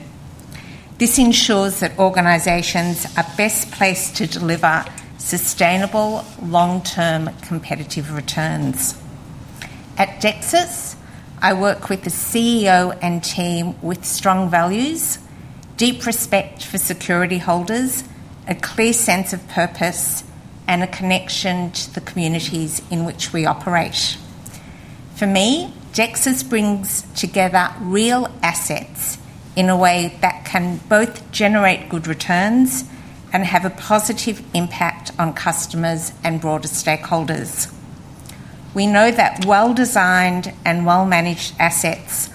This ensures that organizations are best placed to deliver sustainable, long-term competitive returns. At Dexus Industria REIT, I work with a CEO and team with strong values, deep respect for security holders, a clear sense of purpose, and a connection to the communities in which we operate. For me, Dexus Industria REIT brings together real assets in a way that can both generate good returns and have a positive impact on customers and broader stakeholders. We know that well-designed and well-managed assets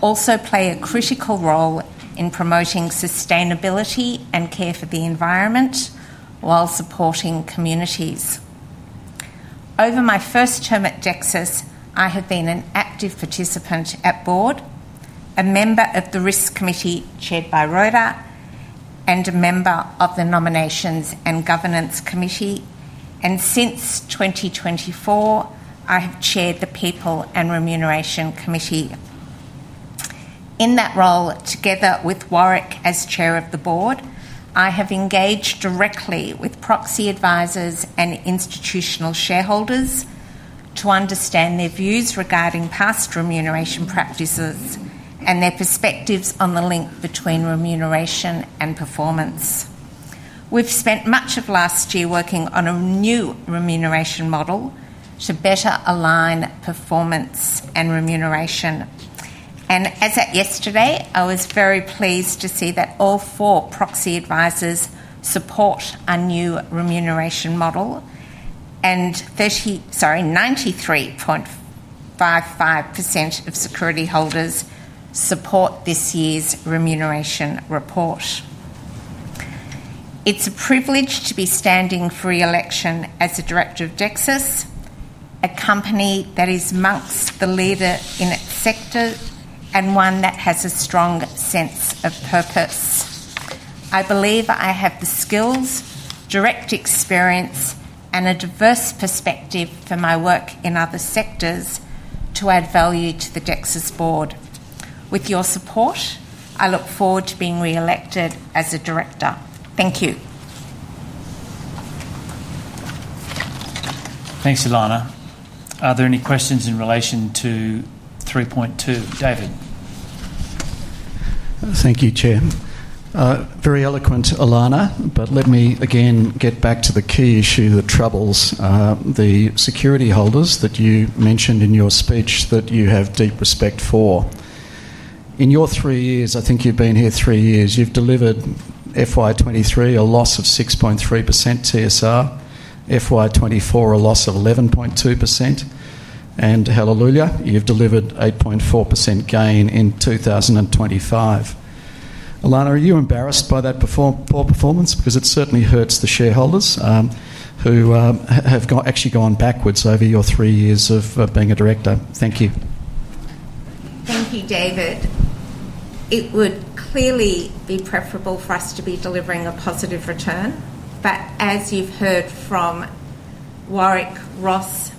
also play a critical role in promoting sustainability and care for the environment while supporting communities. Over my first term at Dexus Industria REIT, I have been an active participant at board, a member of the Risk Committee chaired by Rhoda Harrington, and a member of the Nominations and Governance Committee. Since 2024, I have chaired the People and Remuneration Committee. In that role, together with Warwick as Chair of the Board, I have engaged directly with proxy advisors and institutional shareholders to understand their views regarding past remuneration practices and their perspectives on the link between remuneration and performance. We've spent much of last year working on a new remuneration model to better align performance and remuneration. As at yesterday, I was very pleased to see that all four proxy advisors support our new remuneration model, and 93.55% of security holders support this year's remuneration report. It's a privilege to be standing for reelection as a Director of Dexus Industria REIT, a company that is amongst the leaders in its sector and one that has a strong sense of purpose. I believe I have the skills, direct experience, and a diverse perspective from my work in other sectors to add value to the Dexus Industria REIT board. With your support, I look forward to being reelected as a Director. Thank you. Thanks, Alana. Are there any questions in relation to 3.2? David. Thank you, Chair. Very eloquent, Alana, but let me again get back to the key issue that troubles the security holders that you mentioned in your speech that you have deep respect for. In your three years, I think you've been here three years, you've delivered FY23 a loss of 6.3%, FY24 a loss of 11.2%, and hallelujah, you've delivered 8.4% gain in 2025. Alana, are you embarrassed by that poor performance? Because it certainly hurts the shareholders who have actually gone backwards over your three years of being a director. Thank you. Thank you, David. It would clearly be preferable for us to be delivering a positive return, but as you've heard from Warwick, Ross,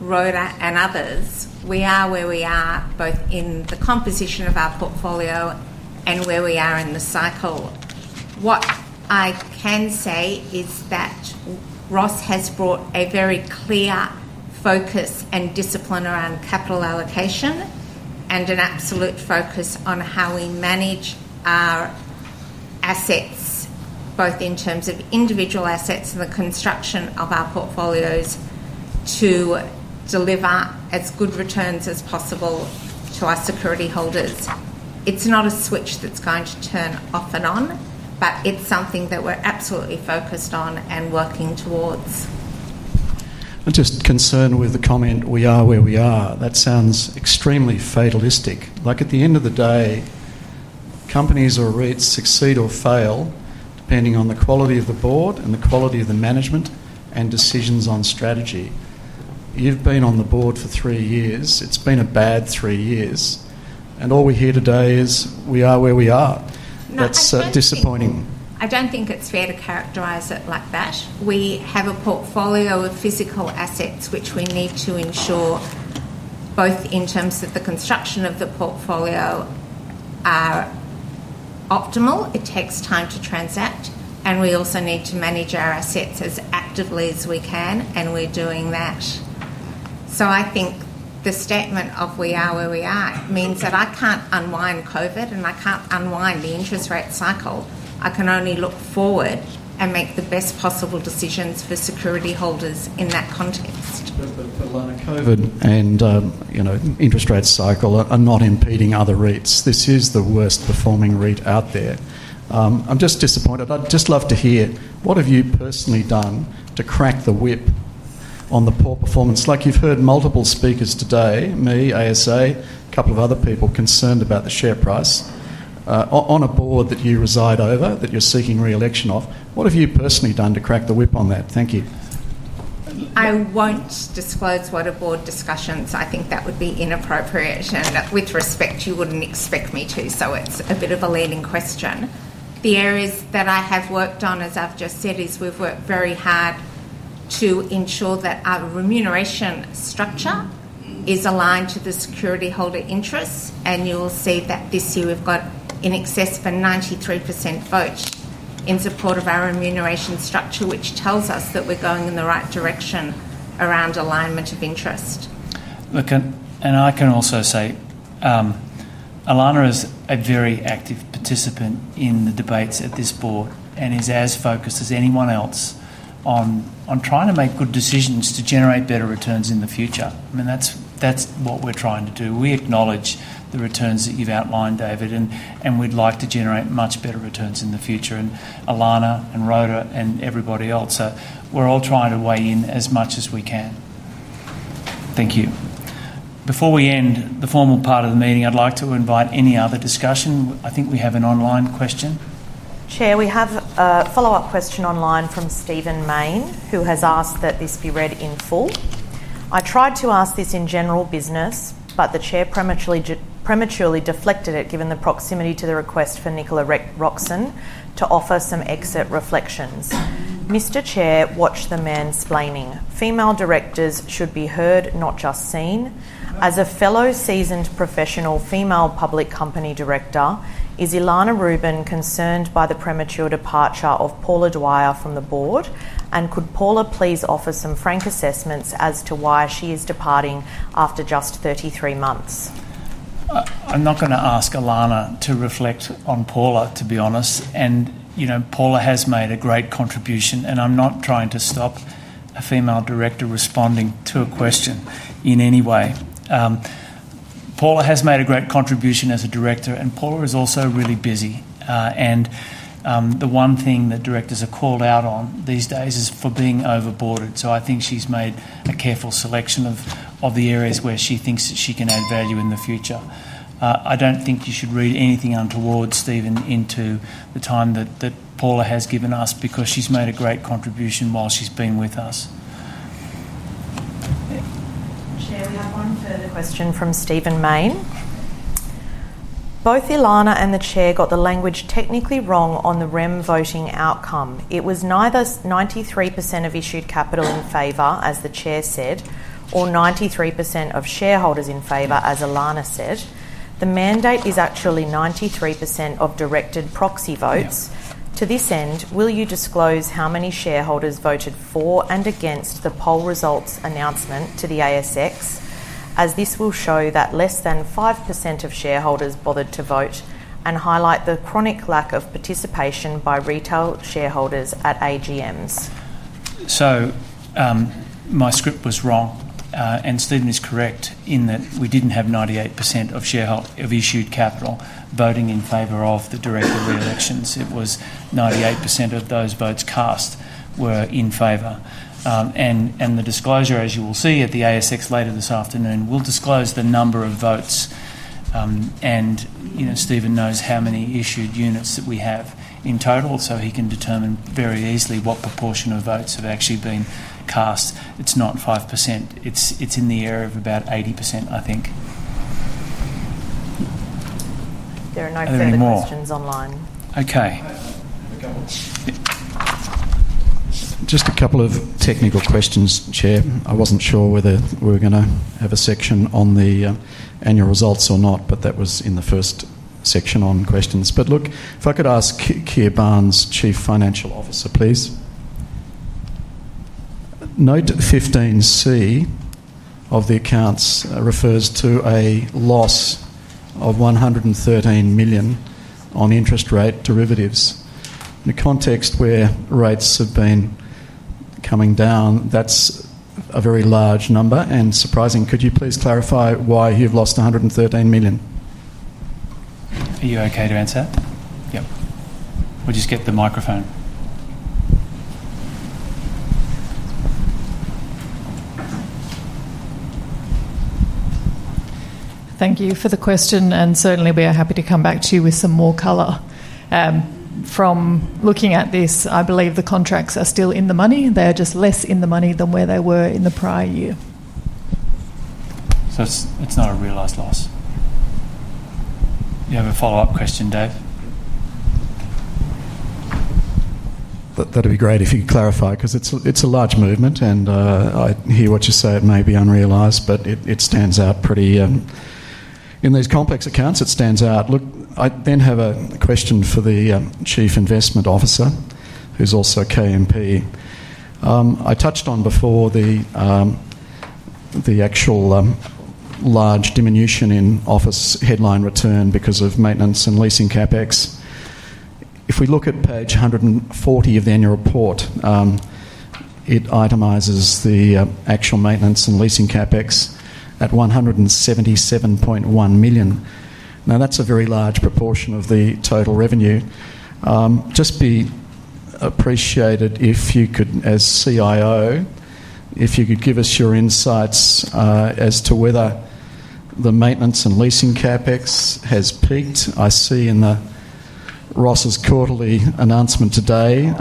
Rhoda, and others, we are where we are both in the composition of our portfolio and where we are in the cycle. What I can say is that Ross has brought a very clear focus and discipline around capital allocation and an absolute focus on how we manage our assets, both in terms of individual assets and the construction of our portfolios, to deliver as good returns as possible to our security holders. It's not a switch that's going to turn off and on, but it's something that we're absolutely focused on and working towards. I'm just concerned with the comment, "We are where we are." That sounds extremely fatalistic. At the end of the day, companies or real estate investment trusts succeed or fail depending on the quality of the board and the quality of the management and decisions on strategy. You've been on the board for three years. It's been a bad three years, and all we hear today is, "We are where we are." That's disappointing. I don't think it's fair to characterize it like that. We have a portfolio of physical assets which we need to ensure, both in terms of the construction of the portfolio, are optimal. It takes time to transact, and we also need to manage our assets as actively as we can, and we're doing that. I think the statement of, "We are where we are," means that I can't unwind COVID and I can't unwind the interest rate cycle. I can only look forward and make the best possible decisions for security holders in that context. Alana, COVID and you know interest rate cycle are not impeding other REITs. This is the worst performing REIT out there. I'm just disappointed. I'd just love to hear what have you personally done to crack the whip on the poor performance. Like you've heard multiple speakers today, me, ASA, a couple of other people concerned about the share price on a board that you reside over, that you're seeking reelection of. What have you personally done to crack the whip on that. Thank you. I won't disclose what a board discussion is. I think that would be inappropriate and with respect, you wouldn't expect me to. It's a bit of a leading question. The areas that I have worked on, as I've just said, is we've worked very hard to ensure that our remuneration structure is aligned to the security holder interests, and you will see that this year we've got in excess of a 93% vote in support of our remuneration structure, which tells us that we're going in the right direction around alignment of interest. I can also say, Alana is a very active participant in the debates at this Board and is as focused as anyone else on trying to make good decisions to generate better returns in the future. That's what we're trying to do. We acknowledge the returns that you've outlined, David, and we'd like to generate much better returns in the future. Alana and Rhoda and everybody else, we're all trying to weigh in as much as we can. Thank you. Before we end the formal part of the meeting, I'd like to invite any other discussion. I think we have an online question. Chair, we have a follow-up question online from Stephen Main, who has asked that this be read in full. I tried to ask this in general business, but the Chair prematurely deflected it given the proximity to the request for Nicola Roxon to offer some exit reflections. Mr. Chair, watch the man's blaming. Female directors should be heard, not just seen. As a fellow seasoned professional female public company director, is Alana Rubin concerned by the premature departure of Paula Dwyer from the Board, and could Paula please offer some frank assessments as to why she is departing after just 33 months? I'm not going to ask Alana to reflect on Paula, to be honest. You know Paula has made a great contribution, and I'm not trying to stop a female director responding to a question in any way. Paula has made a great contribution as a director, and Paula is also really busy. The one thing that directors are called out on these days is for being overboarded. I think she's made a careful selection of the areas where she thinks that she can add value in the future. I don't think you should read anything untoward, Stephen, into the time that Paula has given us because she's made a great contribution while she's been with us. Chair, we have one further question from Stephen Main. Both Alana and the Chair got the language technically wrong on the remuneration report voting outcome. It was neither 93% of issued capital in favor, as the Chair said, nor 93% of shareholders in favor, as Alana said. The mandate is actually 93% of directed proxy votes. To this end, will you disclose how many shareholders voted for and against in the poll results announcement to the ASX, as this will show that less than 5% of shareholders bothered to vote and highlight the chronic lack of participation by retail shareholders at AGMs? My script was wrong, and Stephen is correct in that we didn't have 98% of issued capital voting in favor of the director reelections. It was 98% of those votes cast were in favor. The disclosure, as you will see at the ASX later this afternoon, will disclose the number of votes. Stephen knows how many issued units that we have in total, so he can determine very easily what proportion of votes have actually been cast. It's not 5%. It's in the area of about 80%, I think. There are no further questions online. Okay. Just a couple of technical questions, Chair. I wasn't sure whether we were going to have a section on the annual results or not, but that was in the first section on questions. If I could ask Keir Barnes, Chief Financial Officer, please. Note 15C of the accounts refers to a loss of $113 million on interest rate derivatives. In the context where rates have been coming down, that's a very large number and surprising. Could you please clarify why you've lost $113 million? Are you okay to answer that? Yep, we'll just get the microphone. Thank you for the question, and certainly we are happy to come back to you with some more color. From looking at this, I believe the contracts are still in the money. They are just less in the money than where they were in the prior year. It is not a realized loss. You have a follow-up question, Dave? That'd be great if you could clarify because it's a large movement, and I hear what you say, it may be unrealized, but it stands out pretty. In these complex accounts, it stands out. I then have a question for the Chief Investment Officer, who's also KMP. I touched on before the actual large diminution in office headline return because of maintenance and leasing CapEx. If we look at page 140 of the annual report, it itemizes the actual maintenance and leasing CapEx at $177.1 million. Now, that's a very large proportion of the total revenue. Just be appreciated if you could, as CIO, if you could give us your insights as to whether the maintenance and leasing CapEx has peaked. I see in Ross's quarterly announcement today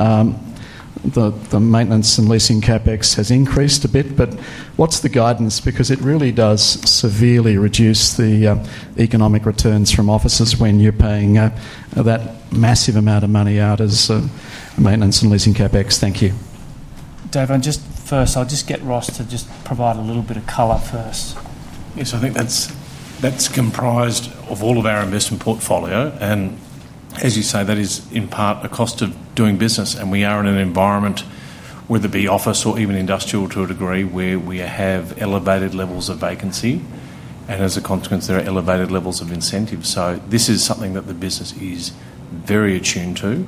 that the maintenance and leasing CapEx has increased a bit, but what's the guidance? It really does severely reduce the economic returns from offices when you're paying that massive amount of money out as a maintenance and leasing CapEx. Thank you. Dave, I'll just get Ross to provide a little bit of color first. Yes, I think that's comprised of all of our investment portfolio, and as you say, that is in part a cost of doing business, and we are in an environment, whether it be office or even industrial to a degree, where we have elevated levels of vacancy, and as a consequence, there are elevated levels of incentives. This is something that the business is very attuned to.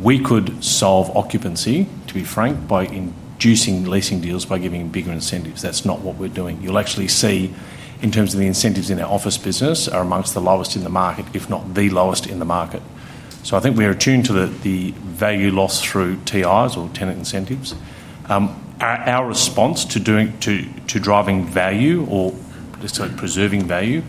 We could solve occupancy, to be frank, by inducing leasing deals, by giving bigger incentives. That's not what we're doing. You'll actually see in terms of the incentives in our office business are amongst the lowest in the market, if not the lowest in the market. I think we are attuned to the value loss through TIs or tenant incentives. Our response to driving value or just to preserving value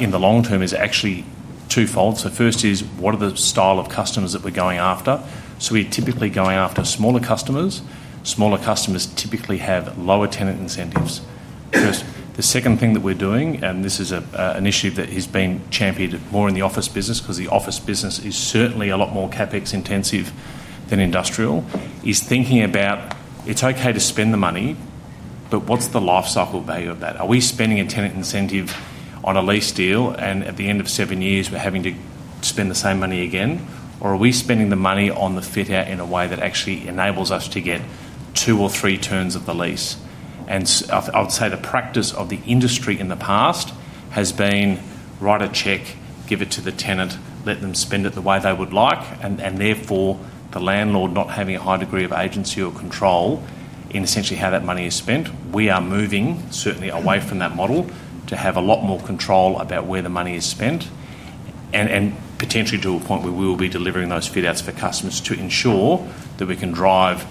in the long term is actually twofold. First is what are the style of customers that we're going after? We're typically going after smaller customers. Smaller customers typically have lower tenant incentives. The second thing that we're doing, and this is an issue that has been championed more in the office business because the office business is certainly a lot more CapEx intensive than industrial, is thinking about it's okay to spend the money, but what's the lifecycle value of that? Are we spending a tenant incentive on a lease deal and at the end of seven years we're having to spend the same money again, or are we spending the money on the fit-out in a way that actually enables us to get two or three turns of the lease? I would say the practice of the industry in the past has been write a check, give it to the tenant, let them spend it the way they would like, and therefore the landlord not having a high degree of agency or control in essentially how that money is spent. We are moving certainly away from that model to have a lot more control about where the money is spent and potentially to a point where we will be delivering those fit-outs for customers to ensure that we can drive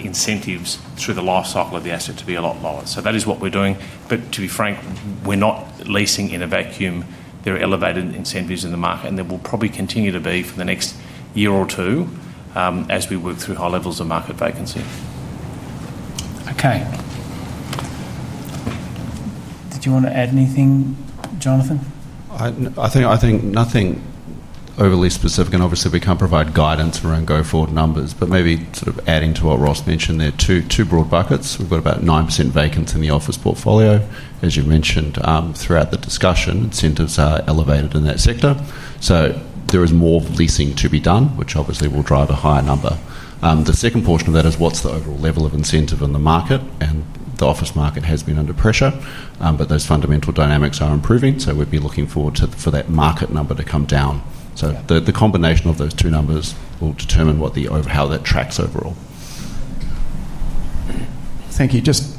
incentives through the lifecycle of the asset to be a lot lower. That is what we're doing. To be frank, we're not leasing in a vacuum. There are elevated incentives in the market, and there will probably continue to be for the next year or two as we work through high levels of market vacancy. Okay. Did you want to add anything, Jonathan? I think nothing overly specific, and obviously we can't provide guidance around go forward numbers, but maybe sort of adding to what Ross mentioned there, two broad buckets. We've got about 9% vacancy in the office portfolio. As you mentioned throughout the discussion, incentives are elevated in that sector. There is more leasing to be done, which obviously will drive a higher number. The second portion of that is what's the overall level of incentive in the market, and the office market has been under pressure, but those fundamental dynamics are improving. We'd be looking forward to that market number to come down. The combination of those two numbers will determine how that tracks overall. Thank you. Just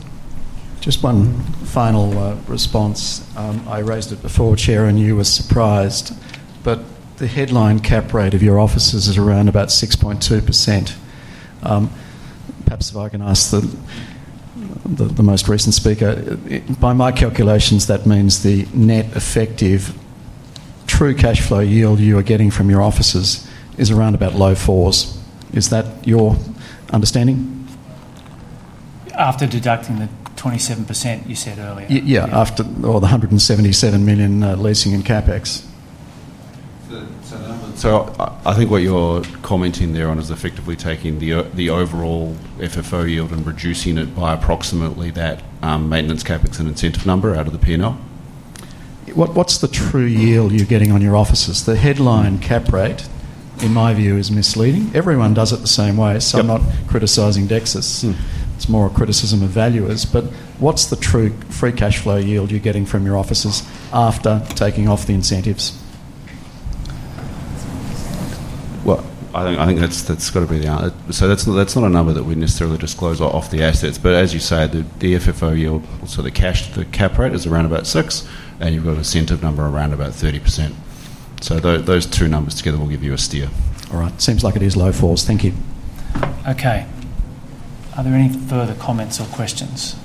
one final response. I raised it before, Chair, and you were surprised, but the headline cap rate of your offices is around about 6.2%. Perhaps if I can ask the most recent speaker, by my calculations, that means the net effective true cash flow yield you are getting from your offices is around about low fours. Is that your understanding? After deducting the 27% you said earlier. Yeah, after all the $177 million leasing and CapEx. I think what you're commenting there on is effectively taking the overall FFO yield and reducing it by approximately that maintenance CapEx and incentive number out of the P&L. What's the true yield you're getting on your offices? The headline cap rate, in my view, is misleading. Everyone does it the same way. I'm not criticizing Dexus. It's more a criticism of valuers. What's the true free cash flow yield you're getting from your offices after taking off the incentives? I think that's got to be the answer. That's not a number that we necessarily disclose off the assets. As you say, the FFO yield, so the cap rate is around about 6%, and you've got an incentive number around about 30%. Those two numbers together will give you a steer. All right. Seems like it is low fours. Thank you. Okay. Are there any further comments or questions?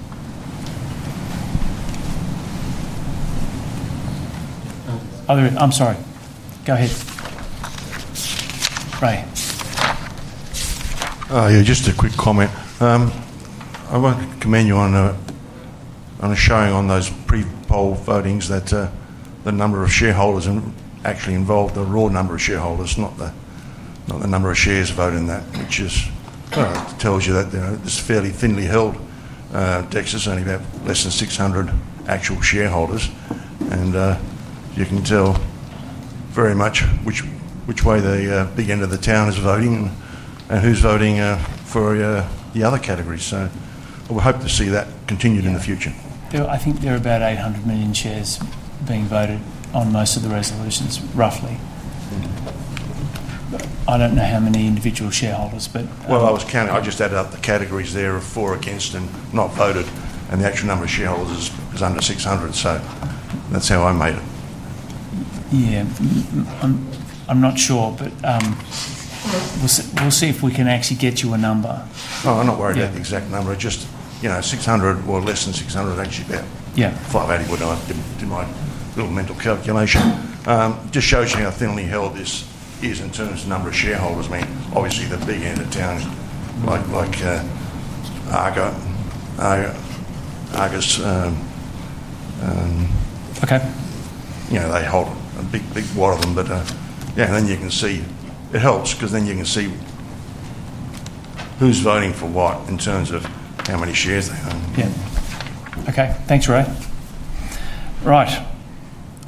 I'm sorry, go ahead, Ray. Yeah, just a quick comment. I want to commend you on showing on those pre-poll votings that the number of shareholders actually involved, the raw number of shareholders, not the number of shares voting, which tells you that it's fairly thinly held. Dexus Industria REIT is only about less than 600 actual shareholders. You can tell very much which way the big end of the town is voting and who's voting for the other categories. I would hope to see that continued in the future. I think there are about 800 million shares being voted on most of the resolutions, roughly. I don't know how many individual shareholders, but. I was counting. I just added up the categories of for, against, and not voted, and the actual number of shareholders is under 600. That's how I made it. I'm not sure, but we'll see if we can actually get you a number. Oh, I'm not worried about the exact number. It's just, you know, 600 or less than 600, actually about 580 would do my little mental calculation. It just shows you how thinly held this is in terms of the number of shareholders. I mean, obviously the big end of the town, like Argos. Okay. You know, they hold a big, big lot of them. Yeah, you can see it helps because you can see who's voting for what in terms of how many shares they own. Okay. Thanks, Ray.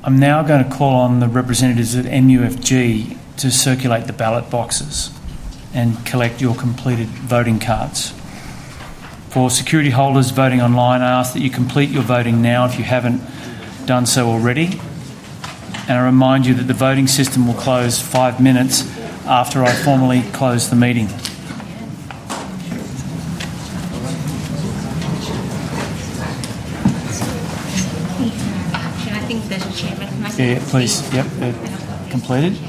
I'm now going to call on the representatives at MUFG to circulate the ballot boxes and collect your completed voting cards. For security holders voting online, I ask that you complete your voting now if you haven't done so already. I remind you that the voting system will close five minutes after I formally close the meeting. Can I think there's a Chairman? Yeah, please. Yep, completed. I'm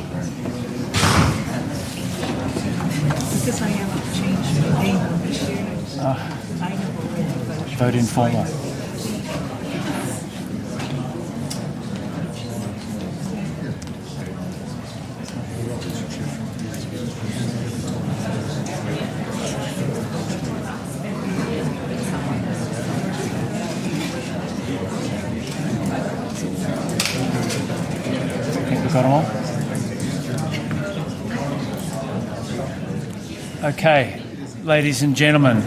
so sorry, I have to change. Vote in formal. Okay. Can you put the card on? Okay, ladies and gentlemen,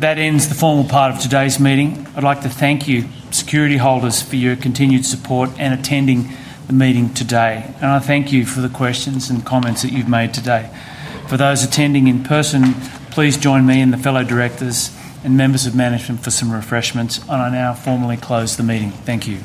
that ends the formal part of today's meeting. I'd like to thank you, security holders, for your continued support and attending the meeting today. I thank you for the questions and comments that you've made today. For those attending in person, please join me and the fellow directors and members of management for some refreshments. I now formally close the meeting. Thank you.